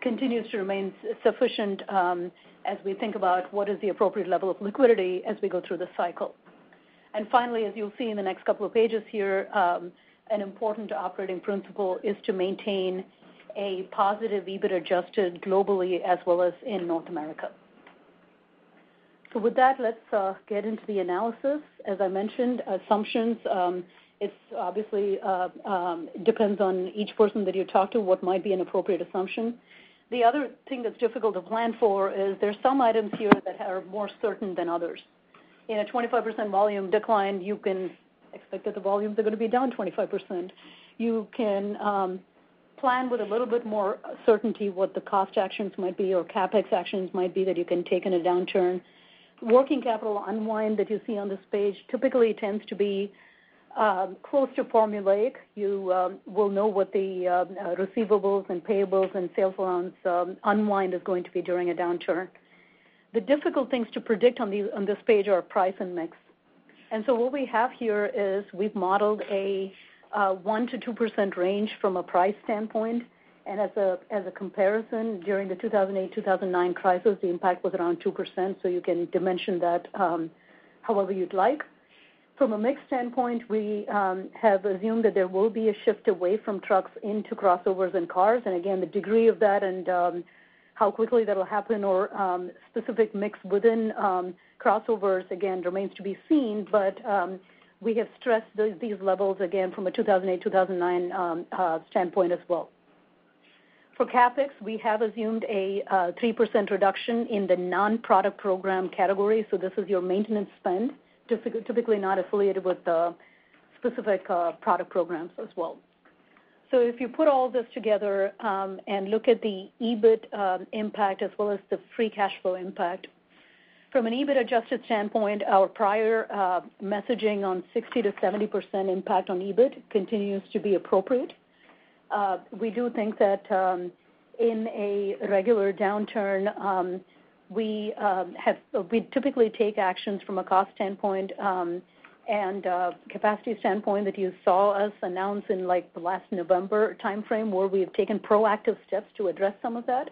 S3: continues to remain sufficient as we think about what is the appropriate level of liquidity as we go through the cycle. Finally, as you'll see in the next couple of pages here, an important operating principle is to maintain a positive EBIT adjusted globally as well as in North America. With that, let's get into the analysis. As I mentioned, assumptions. It obviously depends on each person that you talk to what might be an appropriate assumption. The other thing that's difficult to plan for is there's some items here that are more certain than others. In a 25% volume decline, you can expect that the volumes are going to be down 25%. You can plan with a little bit more certainty what the cost actions might be or CapEx actions might be that you can take in a downturn. Working capital unwind that you see on this page typically tends to be close to formulaic. You will know what the receivables and payables and sales allowance unwind is going to be during a downturn. The difficult things to predict on this page are price and mix. What we have here is we've modeled a 1%-2% range from a price standpoint. As a comparison, during the 2008, 2009 crisis, the impact was around 2%, you can dimension that however you'd like. From a mix standpoint, we have assumed that there will be a shift away from trucks into crossovers and cars. Again, the degree of that and how quickly that'll happen or specific mix within crossovers, again, remains to be seen. We have stressed these levels again from a 2008, 2009 standpoint as well. For CapEx, we have assumed a 3% reduction in the non-product program category. This is your maintenance spend, typically not affiliated with the specific product programs as well. If you put all this together and look at the EBIT impact as well as the free cash flow impact. From an EBIT-adjusted standpoint, our prior messaging on 60%-70% impact on EBIT continues to be appropriate. We do think that in a regular downturn, we typically take actions from a cost standpoint and a capacity standpoint that you saw us announce in the last November timeframe, where we have taken proactive steps to address some of that.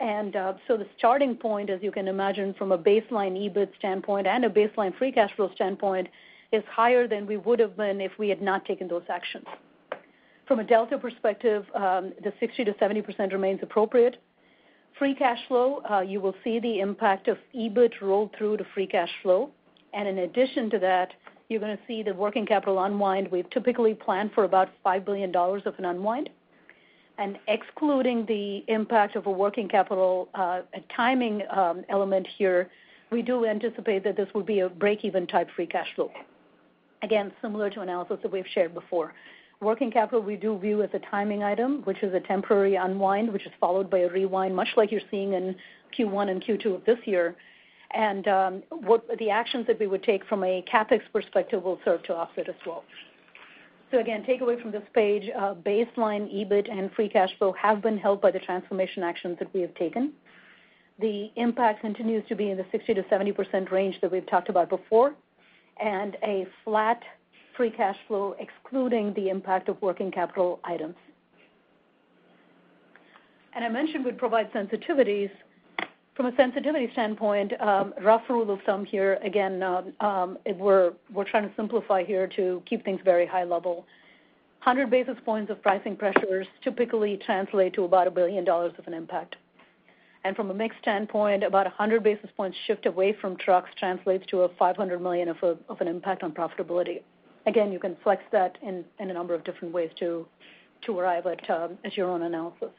S3: The starting point, as you can imagine from a baseline EBIT standpoint and a baseline free cash flow standpoint, is higher than we would've been if we had not taken those actions. From a delta perspective, the 60%-70% remains appropriate. Free cash flow, you will see the impact of EBIT roll through to free cash flow. In addition to that, you're going to see the working capital unwind. We've typically planned for about $5 billion of an unwind. Excluding the impact of a working capital timing element here, we do anticipate that this will be a break-even type free cash flow. Again, similar to analysis that we've shared before. Working capital we do view as a timing item, which is a temporary unwind, which is followed by a rewind, much like you're seeing in Q1 and Q2 of this year. The actions that we would take from a CapEx perspective will serve to offset as well. Again, takeaway from this page, baseline EBIT and free cash flow have been helped by the transformation actions that we have taken. The impact continues to be in the 60%-70% range that we've talked about before, and a flat free cash flow, excluding the impact of working capital items. I mentioned we'd provide sensitivities. From a sensitivity standpoint, rough rule of thumb here, again we're trying to simplify here to keep things very high level. 100 basis points of pricing pressures typically translate to about $1 billion of an impact. From a mix standpoint, about 100 basis points shift away from trucks translates to a $500 million of an impact on profitability. Again, you can flex that in a number of different ways to arrive at your own analysis.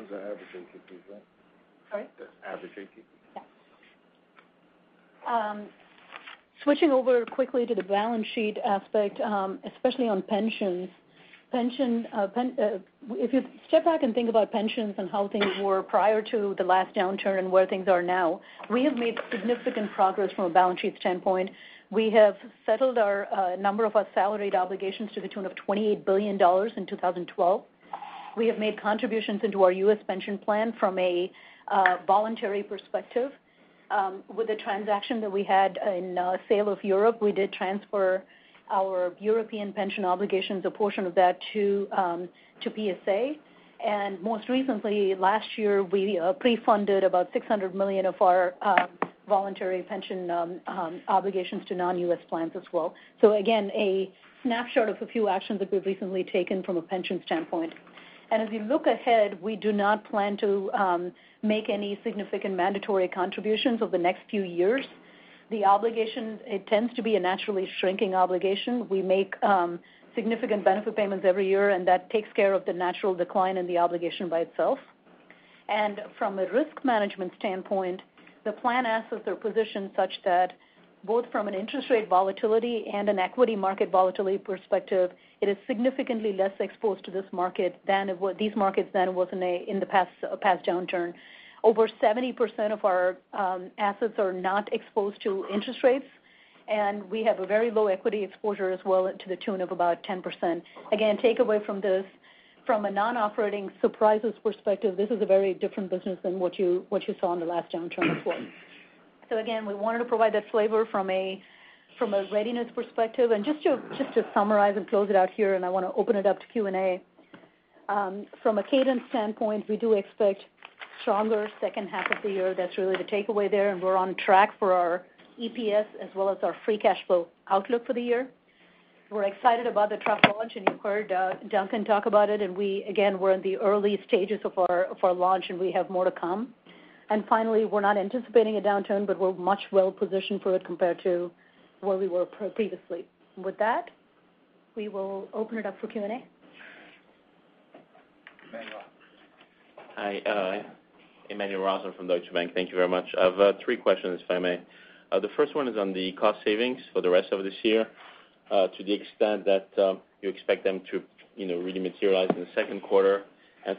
S4: Is that after [JV], right? Sorry? After [JV].
S3: Switching over quickly to the balance sheet aspect, especially on pensions. If you step back and think about pensions and how things were prior to the last downturn and where things are now, we have made significant progress from a balance sheet standpoint. We have settled a number of our salaried obligations to the tune of $28 billion in 2012. We have made contributions into our U.S. pension plan from a voluntary perspective. With the transaction that we had in sale of Europe, we did transfer our European pension obligations, a portion of that to PSA. Most recently, last year, we pre-funded about $600 million of our voluntary pension obligations to non-U.S. plans as well. Again, a snapshot of a few actions that we've recently taken from a pension standpoint. As we look ahead, we do not plan to make any significant mandatory contributions over the next few years. The obligation, it tends to be a naturally shrinking obligation. We make significant benefit payments every year, and that takes care of the natural decline in the obligation by itself. From a risk management standpoint, the plan assets are positioned such that both from an interest rate volatility and an equity market volatility perspective, it is significantly less exposed to these markets than it was in the past downturn. Over 70% of our assets are not exposed to interest rates, and we have a very low equity exposure as well to the tune of about 10%. Takeaway from this, from a non-operating surprises perspective, this is a very different business than what you saw in the last downturn before. Again, we wanted to provide that flavor from a readiness perspective. Just to summarize and close it out here, and I want to open it up to Q&A. From a cadence standpoint, we do expect stronger second half of the year. That's really the takeaway there, and we're on track for our EPS as well as our free cash flow outlook for the year. We're excited about the truck launch, and you've heard Duncan talk about it, and again, we're in the early stages of our launch, and we have more to come. Finally, we're not anticipating a downturn, but we're much well-positioned for it compared to where we were previously. With that, we will open it up for Q&A.
S2: Emmanuel.
S5: Hi, Emmanuel Rosner from Deutsche Bank. Thank you very much. I've three questions, if I may. The first one is on the cost savings for the rest of this year to the extent that you expect them to really materialize in the second quarter.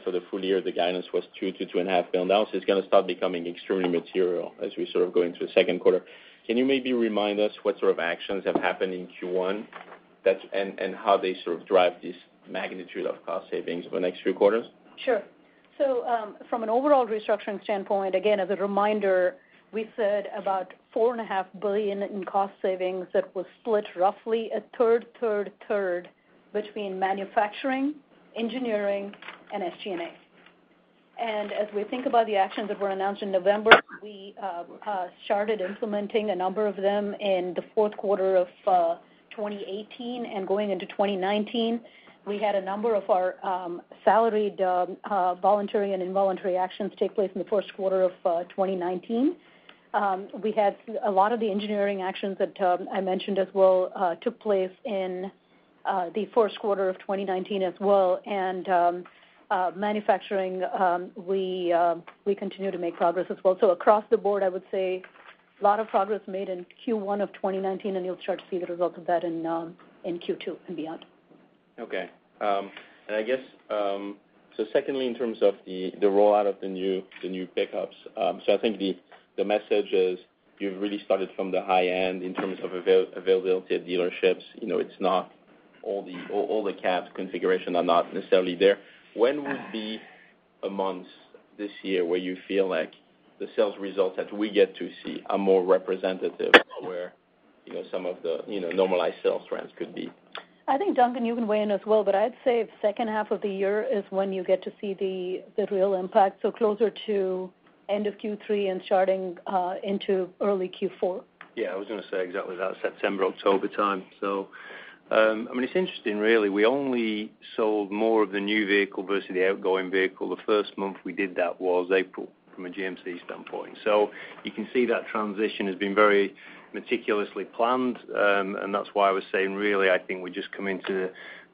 S5: The full year, the guidance was $2 billion-$2.5 billion. It's going to start becoming extremely material as we sort of go into the second quarter. Can you maybe remind us what sort of actions have happened in Q1, and how they sort of drive this magnitude of cost savings over the next few quarters?
S3: Sure. From an overall restructuring standpoint, again, as a reminder, we said about $4.5 billion in cost savings that was split roughly a third, third between manufacturing, engineering, and SGA. As we think about the actions that were announced in November, we started implementing a number of them in the fourth quarter of 2018 and going into 2019. We had a number of our salaried voluntary and involuntary actions take place in the first quarter of 2019. We had a lot of the engineering actions that I mentioned as well took place in the first quarter of 2019 as well, and manufacturing, we continue to make progress as well. Across the board, I would say a lot of progress made in Q1 of 2019, and you'll start to see the results of that in Q2 and beyond.
S5: Okay. Secondly, in terms of the rollout of the new pickups, I think the message is you've really started from the high end in terms of availability at dealerships. All the cabs configuration are not necessarily there. When would be a month this year where you feel like the sales results that we get to see are more representative of where some of the normalized sales trends could be?
S3: I think, Duncan, you can weigh in as well. I'd say second half of the year is when you get to see the real impact, closer to end of Q3 and starting into early Q4.
S4: Yeah, I was going to say exactly that, September, October time. It's interesting, really. We only sold more of the new vehicle versus the outgoing vehicle. The first month we did that was April from a GMC standpoint. You can see that transition has been very meticulously planned, and that's why I was saying, really, I think we're just coming to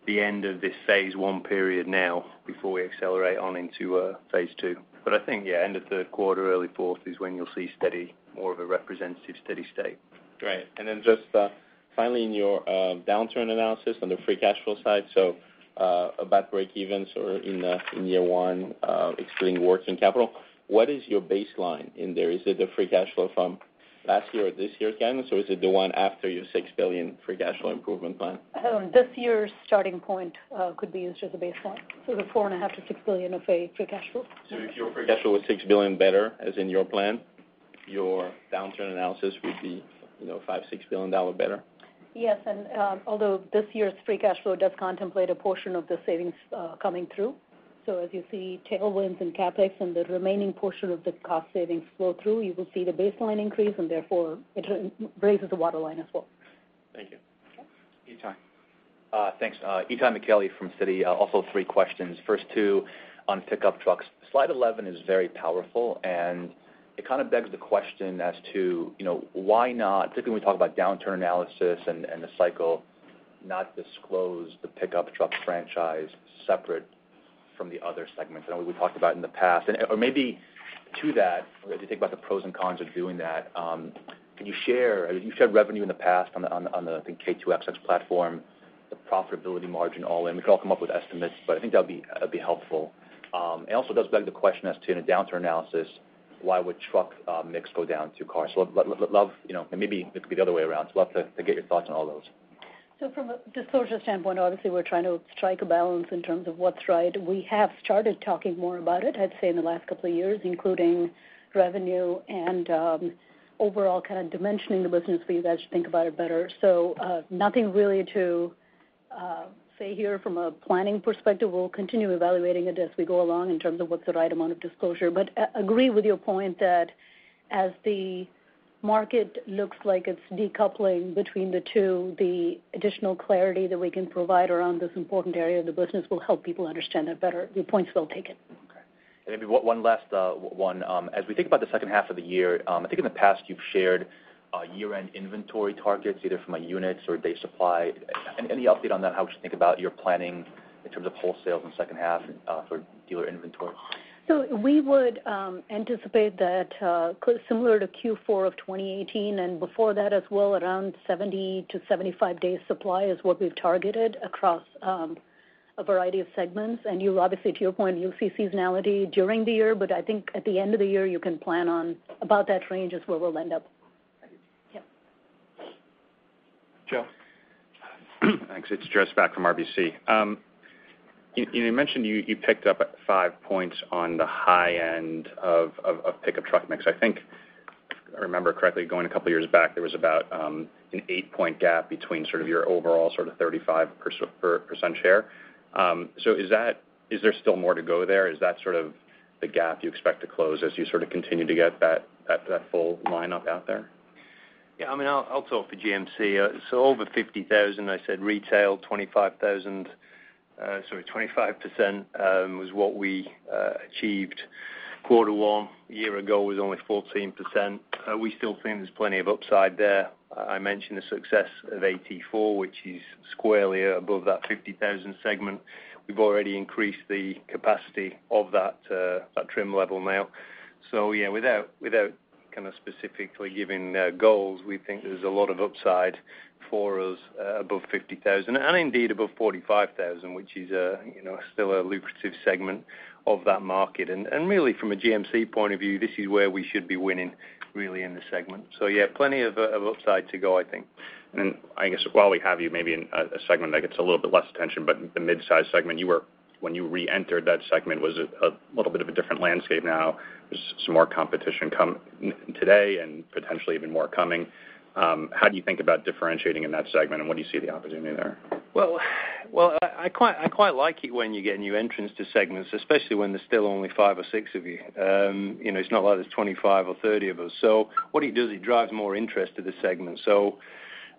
S4: the end of this phase one period now before we accelerate on into phase two. I think, yeah, end of third quarter, early fourth is when you'll see more of a representative steady state.
S5: Great. Just finally, in your downturn analysis on the free cash flow side, about breakevens or in year one excluding working capital, what is your baseline in there? Is it the free cash flow from last year or this year again, or is it the one after your $6 billion free cash flow improvement plan?
S3: This year's starting point could be used as a baseline. The $4.5 billion-$6 billion of a free cash flow.
S5: If your free cash flow was $6 billion better, as in your plan.
S3: your downturn analysis would be $5 billion-$6 billion better? Yes, although this year's free cash flow does contemplate a portion of the savings coming through. As you see tailwinds in CapEx and the remaining portion of the cost savings flow through, you will see the baseline increase, and therefore it raises the waterline as well.
S2: Thank you.
S3: Okay.
S2: Itay.
S6: Thanks. Itay Michaeli from Citi. Also three questions. First two on pickup trucks. Slide 11 is very powerful, and it kind of begs the question as to why not, particularly when we talk about downturn analysis and the cycle, not disclose the pickup truck franchise separate from the other segments. I know we've talked about in the past. Maybe to that, as you think about the pros and cons of doing that, can you share, you've shared revenue in the past on the, I think, K2XX platform, the profitability margin all in. We could all come up with estimates, but I think that'd be helpful. It also does beg the question as to, in a downturn analysis, why would truck mix go down to cars? Maybe it could be the other way around. I'd love to get your thoughts on all those.
S3: From a disclosure standpoint, obviously, we're trying to strike a balance in terms of what's right. We have started talking more about it, I'd say in the last couple of years, including revenue and overall kind of dimensioning the business for you guys to think about it better. Nothing really to say here from a planning perspective. We'll continue evaluating it as we go along in terms of what's the right amount of disclosure. Agree with your point that as the market looks like it's decoupling between the two, the additional clarity that we can provide around this important area of the business will help people understand that better. Your point's well taken.
S6: Okay. Maybe one last one. As we think about the second half of the year, I think in the past you've shared year-end inventory targets, either from a units or days supply. Any update on that? How would you think about your planning in terms of wholesales in the second half for dealer inventory?
S3: We would anticipate that similar to Q4 of 2018, and before that as well, around 70-75 days supply is what we've targeted across a variety of segments. Obviously, to your point, you'll see seasonality during the year, I think at the end of the year, you can plan on about that range is where we'll end up.
S2: Joe.
S7: Thanks. It's Joseph Spak from RBC. You mentioned you picked up five points on the high end of pickup truck mix. I think if I remember correctly, going a couple of years back, there was about an eight-point gap between sort of your overall sort of 35% share. Is there still more to go there? Is that sort of the gap you expect to close as you sort of continue to get that full lineup out there?
S4: I'll talk for GMC. Over 50,000, I said retail, 25% was what we achieved quarter one. A year ago was only 14%. We still think there's plenty of upside there. I mentioned the success of AT4, which is squarely above that 50,000 segment. We've already increased the capacity of that trim level now. Without kind of specifically giving goals, we think there's a lot of upside for us above 50,000, and indeed above 45,000, which is still a lucrative segment of that market. Really from a GMC point of view, this is where we should be winning, really, in the segment. Plenty of upside to go, I think.
S7: I guess while we have you, maybe a segment that gets a little bit less attention, the midsize segment. When you reentered that segment, was a little bit of a different landscape now. There's some more competition today and potentially even more coming. How do you think about differentiating in that segment, and what do you see the opportunity there?
S4: Well, I quite like it when you get new entrants to segments, especially when there's still only five or six of you. It's not like there's 25 or 30 of us. What it does, it drives more interest to the segment.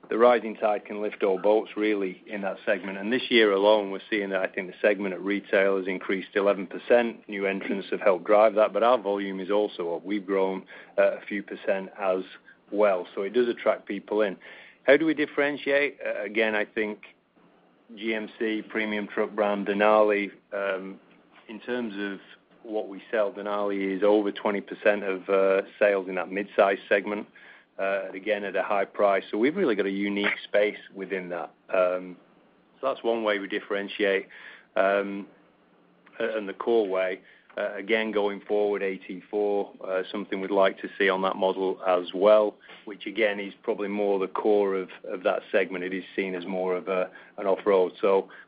S4: The rising tide can lift all boats, really, in that segment. This year alone, we're seeing that I think the segment at retail has increased 11%. New entrants have helped drive that, but our volume is also up. We've grown a few percent as well. It does attract people in. How do we differentiate? Again, I think GMC premium truck brand Denali. In terms of what we sell, Denali is over 20% of sales in that midsize segment, and again, at a high price. We've really got a unique space within that. That's one way we differentiate. The core way, again, going forward, AT4, something we'd like to see on that model as well, which again is probably more the core of that segment. It is seen as more of an off-road.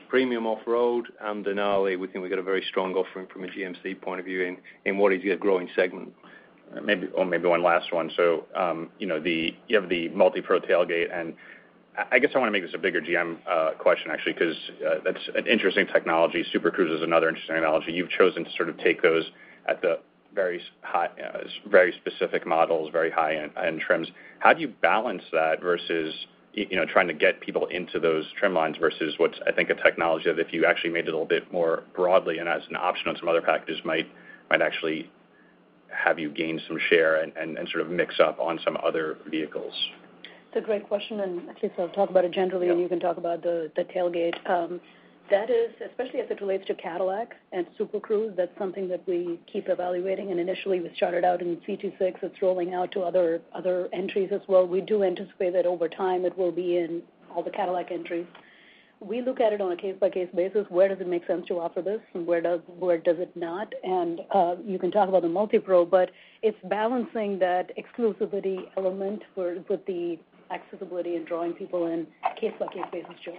S4: Premium off-road and Denali, we think we've got a very strong offering from a GMC point of view in what is a growing segment.
S7: You have the MultiPro tailgate, and I guess I want to make this a bigger GM question actually, because that's an interesting technology. Super Cruise is another interesting technology. You've chosen to sort of take those at the very specific models, very high-end trims. How do you balance that versus trying to get people into those trim lines versus what's I think a technology that if you actually made it a little bit more broadly and as an option on some other packages might actually have you gain some share and sort of mix up on some other vehicles?
S3: It's a great question. I think I'll talk about it generally, and you can talk about the tailgate. That is, especially as it relates to Cadillac and Super Cruise, that's something that we keep evaluating. Initially, we started out in CT6. It's rolling out to other entries as well. We do anticipate that over time it will be in all the Cadillac entries. We look at it on a case-by-case basis. Where does it make sense to offer this, and where does it not? You can talk about the MultiPro, but it's balancing that exclusivity element with the accessibility and drawing people in case-by-case basis, Joe.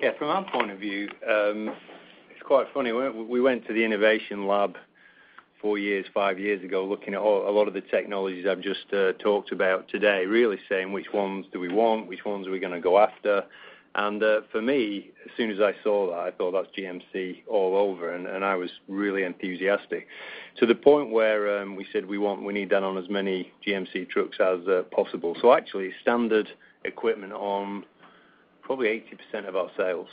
S4: Yeah, from our point of view, it's quite funny. We went to the innovation lab four years, five years ago, looking at a lot of the technologies I've just talked about today, really saying which ones do we want, which ones are we going to go after. For me, as soon as I saw that, I thought, "That's GMC all over," and I was really enthusiastic to the point where we said we need that on as many GMC trucks as possible. Actually, standard equipment on probably 80% of our sales.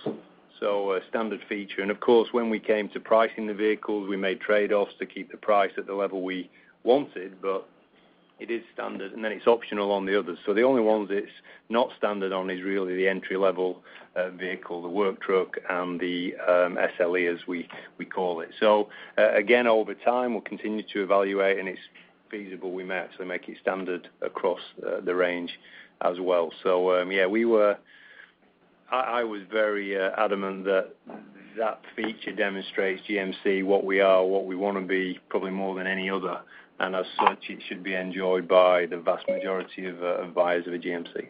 S4: A standard feature. Of course, when we came to pricing the vehicles, we made trade-offs to keep the price at the level we wanted, but it is standard, and then it's optional on the others. The only ones it's not standard on is really the entry-level vehicle, the work truck, and the SLE as we call it. Again, over time, we'll continue to evaluate, and it's feasible we may actually make it standard across the range as well. Yeah, I was very adamant that that feature demonstrates GMC, what we are, what we want to be, probably more than any other. As such, it should be enjoyed by the vast majority of buyers of a GMC.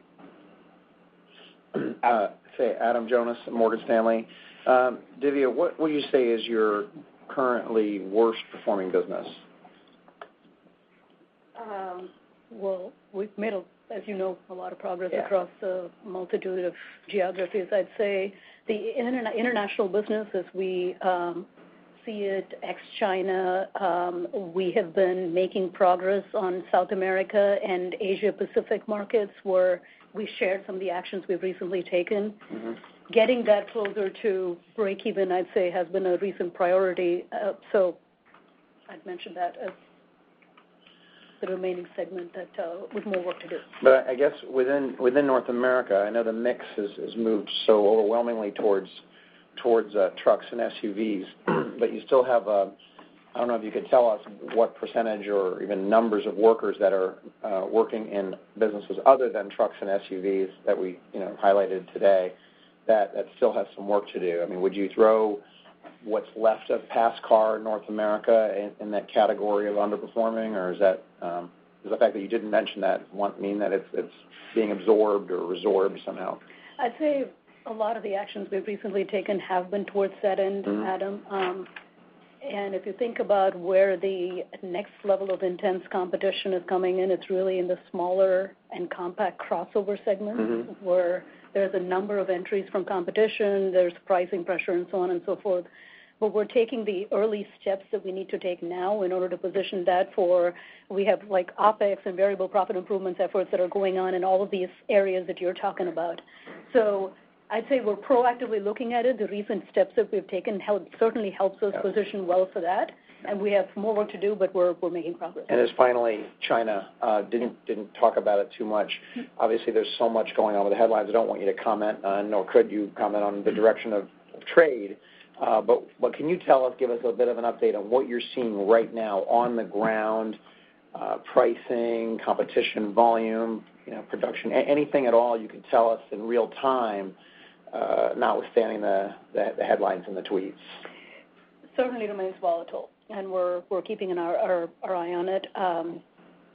S8: Say Adam Jonas at Morgan Stanley. Dhivya, what would you say is your currently worst performing business?
S3: Well, we've made, as you know, a lot of progress.
S8: Yeah
S3: across a multitude of geographies. I'd say the international business as we see it, ex-China, we have been making progress on South America and Asia Pacific markets, where we shared some of the actions we've recently taken. Getting that closer to breakeven, I'd say, has been a recent priority. I'd mention that as the remaining segment with more work to do.
S8: I guess within North America, I know the mix has moved so overwhelmingly towards trucks and SUVs. You still have a, I don't know if you could tell us what percentage or even numbers of workers that are working in businesses other than trucks and SUVs that we highlighted today that still have some work to do. Would you throw what's left of passenger car North America in that category of underperforming, or does the fact that you didn't mention that mean that it's being absorbed or resorbed somehow?
S3: I'd say a lot of the actions we've recently taken have been towards that end, Adam. If you think about where the next level of intense competition is coming in, it's really in the smaller and compact crossover segments. where there's a number of entries from competition, there's pricing pressure, and so on and so forth. We're taking the early steps that we need to take now in order to position that. We have OpEx and variable profit improvement efforts that are going on in all of these areas that you're talking about. I'd say we're proactively looking at it. The recent steps that we've taken certainly helps us position well for that. We have more work to do, but we're making progress.
S8: Just finally, China. Didn't talk about it too much. Obviously, there's so much going on with the headlines. I don't want you to comment on, nor could you comment on the direction of trade. Can you tell us, give us a bit of an update on what you're seeing right now on the ground, pricing, competition, volume, production, anything at all you can tell us in real-time, notwithstanding the headlines and the tweets?
S3: Certainly remains volatile, and we're keeping our eye on it.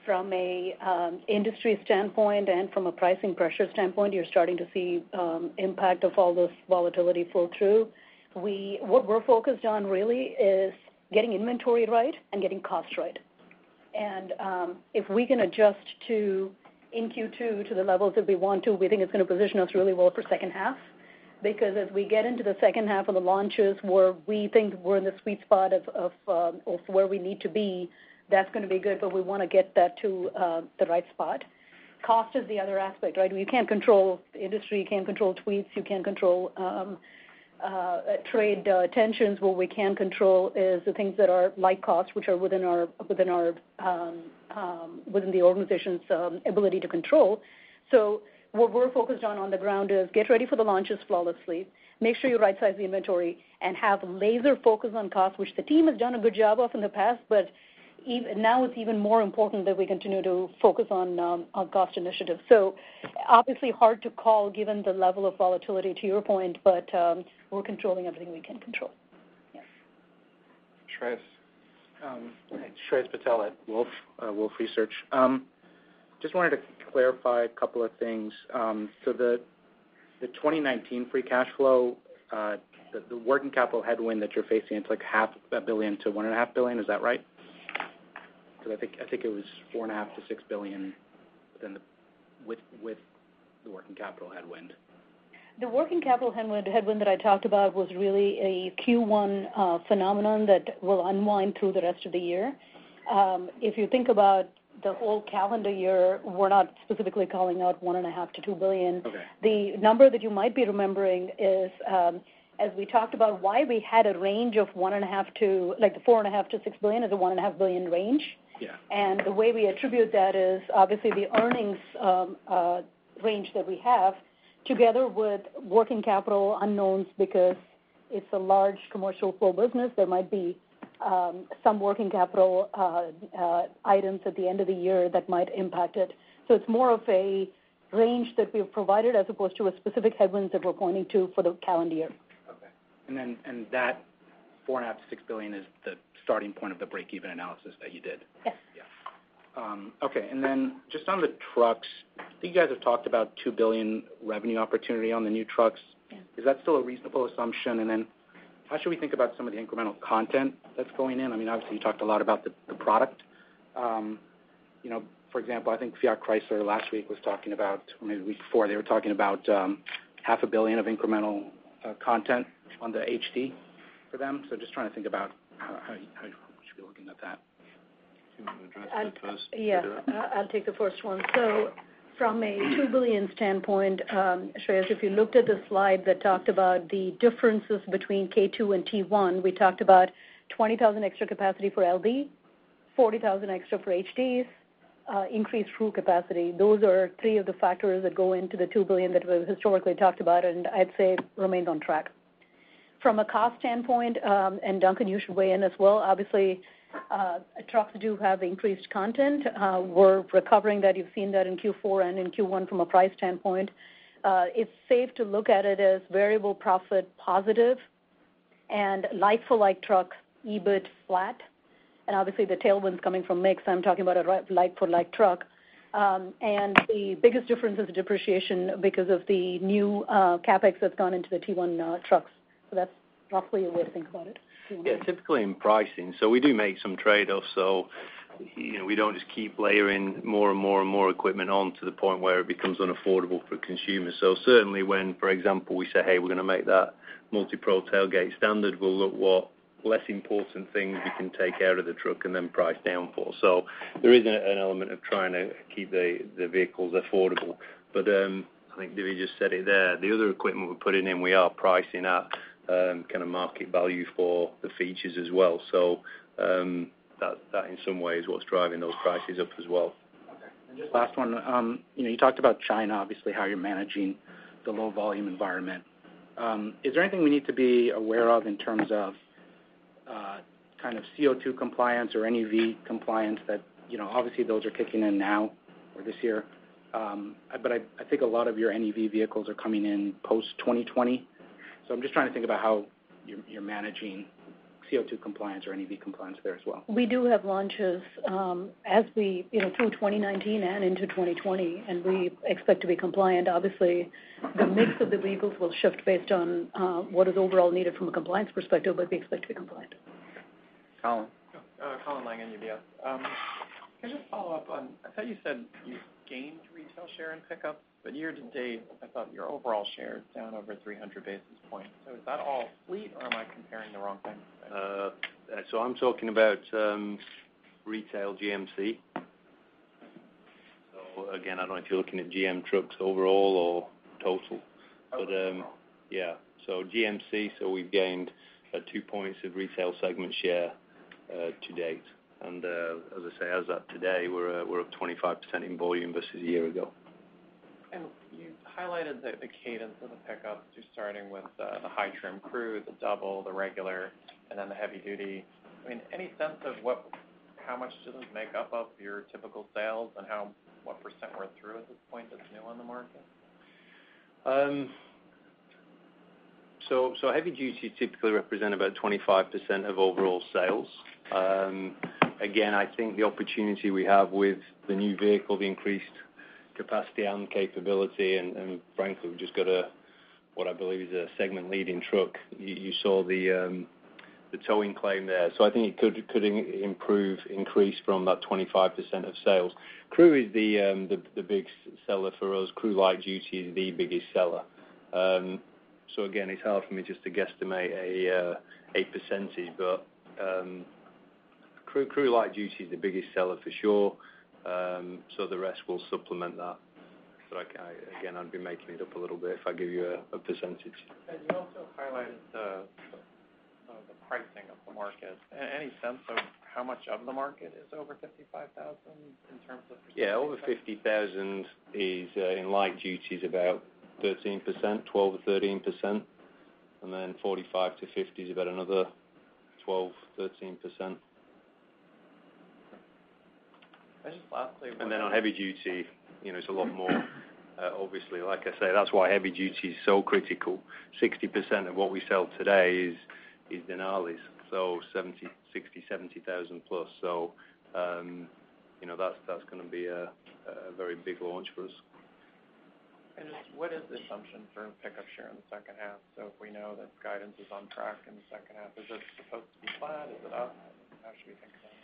S3: From an industry standpoint and from a pricing pressure standpoint, you're starting to see impact of all this volatility flow through. What we're focused on really is getting inventory right and getting cost right. If we can adjust in Q2 to the levels that we want to, we think it's going to position us really well for second half. As we get into the second half of the launches where we think we're in the sweet spot of where we need to be, that's going to be good, but we want to get that to the right spot. Cost is the other aspect. We can't control industry, we can't control tweets, we can't control trade tensions. What we can control is the things that are like cost, which are within the organization's ability to control. What we're focused on the ground is get ready for the launches flawlessly, make sure you right-size the inventory, and have laser focus on cost, which the team has done a good job of in the past, but now it's even more important that we continue to focus on cost initiatives. Obviously hard to call given the level of volatility, to your point, but we're controlling everything we can control. Yes.
S2: Shreyas.
S9: Shreyas Patel at Wolfe Research. Just wanted to clarify a couple of things. The 2019 free cash flow, the working capital headwind that you're facing, it's like half a billion to $1.5 billion, is that right? Because I think it was $4.5 billion-$6 billion with the working capital headwind.
S3: The working capital headwind that I talked about was really a Q1 phenomenon that will unwind through the rest of the year. You think about the whole calendar year, we're not specifically calling out $1.5 billion-$2 billion.
S9: Okay.
S3: The number that you might be remembering is, as we talked about why we had a range of $4.5 billion-$6 billion is a $1.5 billion range.
S9: Yeah.
S3: The way we attribute that is obviously the earnings range that we have together with working capital unknowns because it's a large commercial flow business. There might be some working capital items at the end of the year that might impact it. It's more of a range that we've provided as opposed to a specific headwinds that we're pointing to for the calendar year.
S9: Okay. That $4.5 billion-$6 billion is the starting point of the breakeven analysis that you did?
S3: Yes.
S9: Okay. Just on the trucks, I think you guys have talked about a $2 billion revenue opportunity on the new trucks.
S3: Yes.
S9: Is that still a reasonable assumption? How should we think about some of the incremental content that's going in? Obviously, you talked a lot about the product. For example, I think Fiat Chrysler last week was talking about, or maybe the week before, they were talking about half a billion of incremental content on the HD for them. Just trying to think about how we should be looking at that.
S4: Do you want to address that first, Dhivya?
S3: I'll take the first one. From a $2 billion standpoint, Shreyas, if you looked at the slide that talked about the differences between K2 and T1, we talked about 20,000 extra capacity for LD, 40,000 extra for HDs, increased crew capacity. Those are three of the factors that go into the $2 billion that we historically talked about, and I'd say remained on track. From a cost standpoint, and Duncan, you should weigh in as well, obviously, trucks do have increased content. We're recovering that. You've seen that in Q4 and in Q1 from a price standpoint. It's safe to look at it as variable profit positive and like for like trucks, EBIT flat. Obviously, the tailwind's coming from mix. I'm talking about a like for like truck. The biggest difference is the depreciation because of the new CapEx that's gone into the T1 trucks. That's roughly a way to think about it.
S4: Typically in pricing, we do make some trade-offs, we don't just keep layering more and more equipment on to the point where it becomes unaffordable for consumers. Certainly when, for example, we say, "Hey, we're going to make that MultiPro tailgate standard," we'll look what less important things we can take out of the truck and then price down for. There is an element of trying to keep the vehicles affordable. I think Dhivya just said it there. The other equipment we're putting in, we are pricing at kind of market value for the features as well. That in some way is what's driving those prices up as well.
S9: Just last one. You talked about China, obviously, how you're managing the low volume environment. Is there anything we need to be aware of in terms of kind of CO2 compliance or NEV compliance? Those are kicking in now or this year. I think a lot of your NEV vehicles are coming in post-2020. I'm just trying to think about how you're managing CO2 compliance or NEV compliance there as well.
S3: We do have launches through 2019 and into 2020. We expect to be compliant. Obviously, the mix of the vehicles will shift based on what is overall needed from a compliance perspective. We expect to be compliant.
S2: Colin.
S10: Colin Langan, UBS. Can I just follow up on, I thought you said you gained retail share in pickup. Year to date, I thought your overall share is down over 300 basis points. Is that all fleet or am I comparing the wrong thing?
S4: I'm talking about retail GMC. Again, I don't know if you're looking at GM trucks overall or total.
S10: Overall.
S4: Yeah. GMC, we've gained two points of retail segment share to date. As I say, as of today, we're up 25% in volume versus a year ago.
S10: You highlighted the cadence of the pickups, just starting with the high-trim Crew, the Double, the regular, then the Heavy Duty. Any sense of how much do those make up of your typical sales and what % we're through at this point that's new on the market?
S4: Heavy Duty typically represent about 25% of overall sales. Again, I think the opportunity we have with the new vehicle, the increased capacity and capability, and frankly, we've just got a, what I believe is a segment-leading truck. You saw the towing claim there. I think it could improve, increase from that 25% of sales. Crew is the big seller for us. Crew Cab is the biggest seller. Again, it's hard for me just to guesstimate a %, but Crew Cab is the biggest seller for sure. The rest will supplement that. Again, I'd be making it up a little bit if I give you a %.
S10: You also highlighted the pricing of the market. Any sense of how much of the market is over $55,000 in terms of-
S4: Yeah, over $50,000 in light duty is about 13%, 12%-13%. $45,000-$50,000 is about another 12%, 13%.
S10: I just lastly-
S4: On heavy duty, it's a lot more. Obviously, like I say, that's why heavy duty is so critical. 60% of what we sell today is Denalis, so $60,000, $70,000 plus. That's going to be a very big launch for us.
S10: What is the assumption for pickup share in the second half? If we know that guidance is on track in the second half, is it supposed to be flat? Is it up? How should we think of that?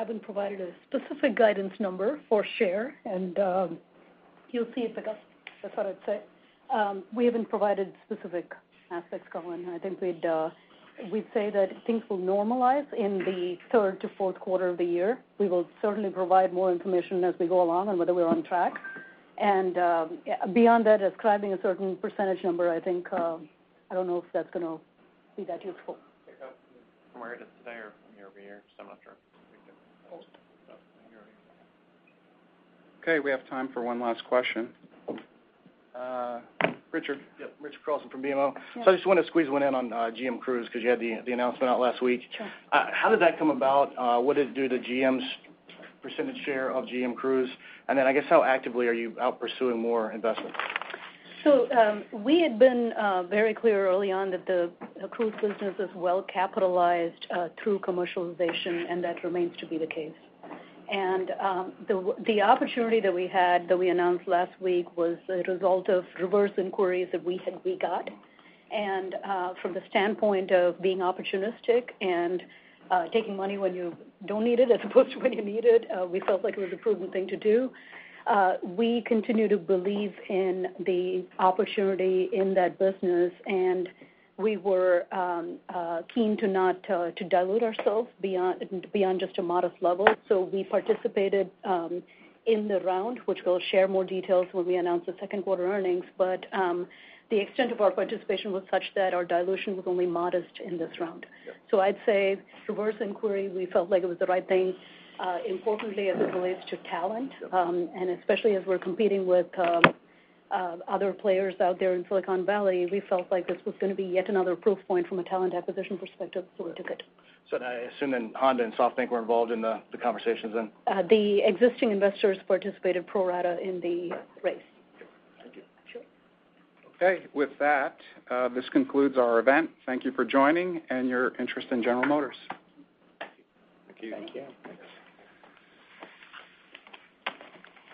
S3: I haven't provided a specific guidance number for share, you'll see it pick up. That's what I'd say. We haven't provided specific aspects, Colin. I think we'd say that things will normalize in the third to fourth quarter of the year. We will certainly provide more information as we go along on whether we're on track. Beyond that, describing a certain percentage number, I don't know if that's going to be that useful.
S10: Pickups from where to today or from year-over-year? I'm not sure.
S4: Both.
S10: Both. Year-over-year.
S2: Okay, we have time for one last question. Richard. Yep.
S11: Richard Cross from BMO. I just wanted to squeeze one in on GM Cruise, you had the announcement out last week.
S3: Sure.
S11: How did that come about? What did it do to GM's percentage share of GM Cruise? Then, I guess how actively are you out pursuing more investment?
S3: We had been very clear early on that the Cruise business is well-capitalized through commercialization, that remains to be the case. The opportunity that we had, that we announced last week, was a result of reverse inquiries that we got. From the standpoint of being opportunistic and taking money when you don't need it, as opposed to when you need it, we felt like it was a prudent thing to do. We continue to believe in the opportunity in that business, we were keen not to dilute ourselves beyond just a modest level. We participated in the round, which we'll share more details when we announce the second quarter earnings. The extent of our participation was such that our dilution was only modest in this round.
S11: Sure.
S3: I'd say reverse inquiry, we felt like it was the right thing. Importantly, as it relates to talent, especially as we're competing with other players out there in Silicon Valley, we felt like this was going to be yet another proof point from a talent acquisition perspective, we took it.
S11: I assume then Honda and SoftBank were involved in the conversations then?
S3: The existing investors participated pro rata in the raise.
S11: Thank you.
S3: Sure.
S2: Okay. With that, this concludes our event. Thank you for joining and your interest in General Motors.
S4: Thank you.
S9: Thank you. Thanks.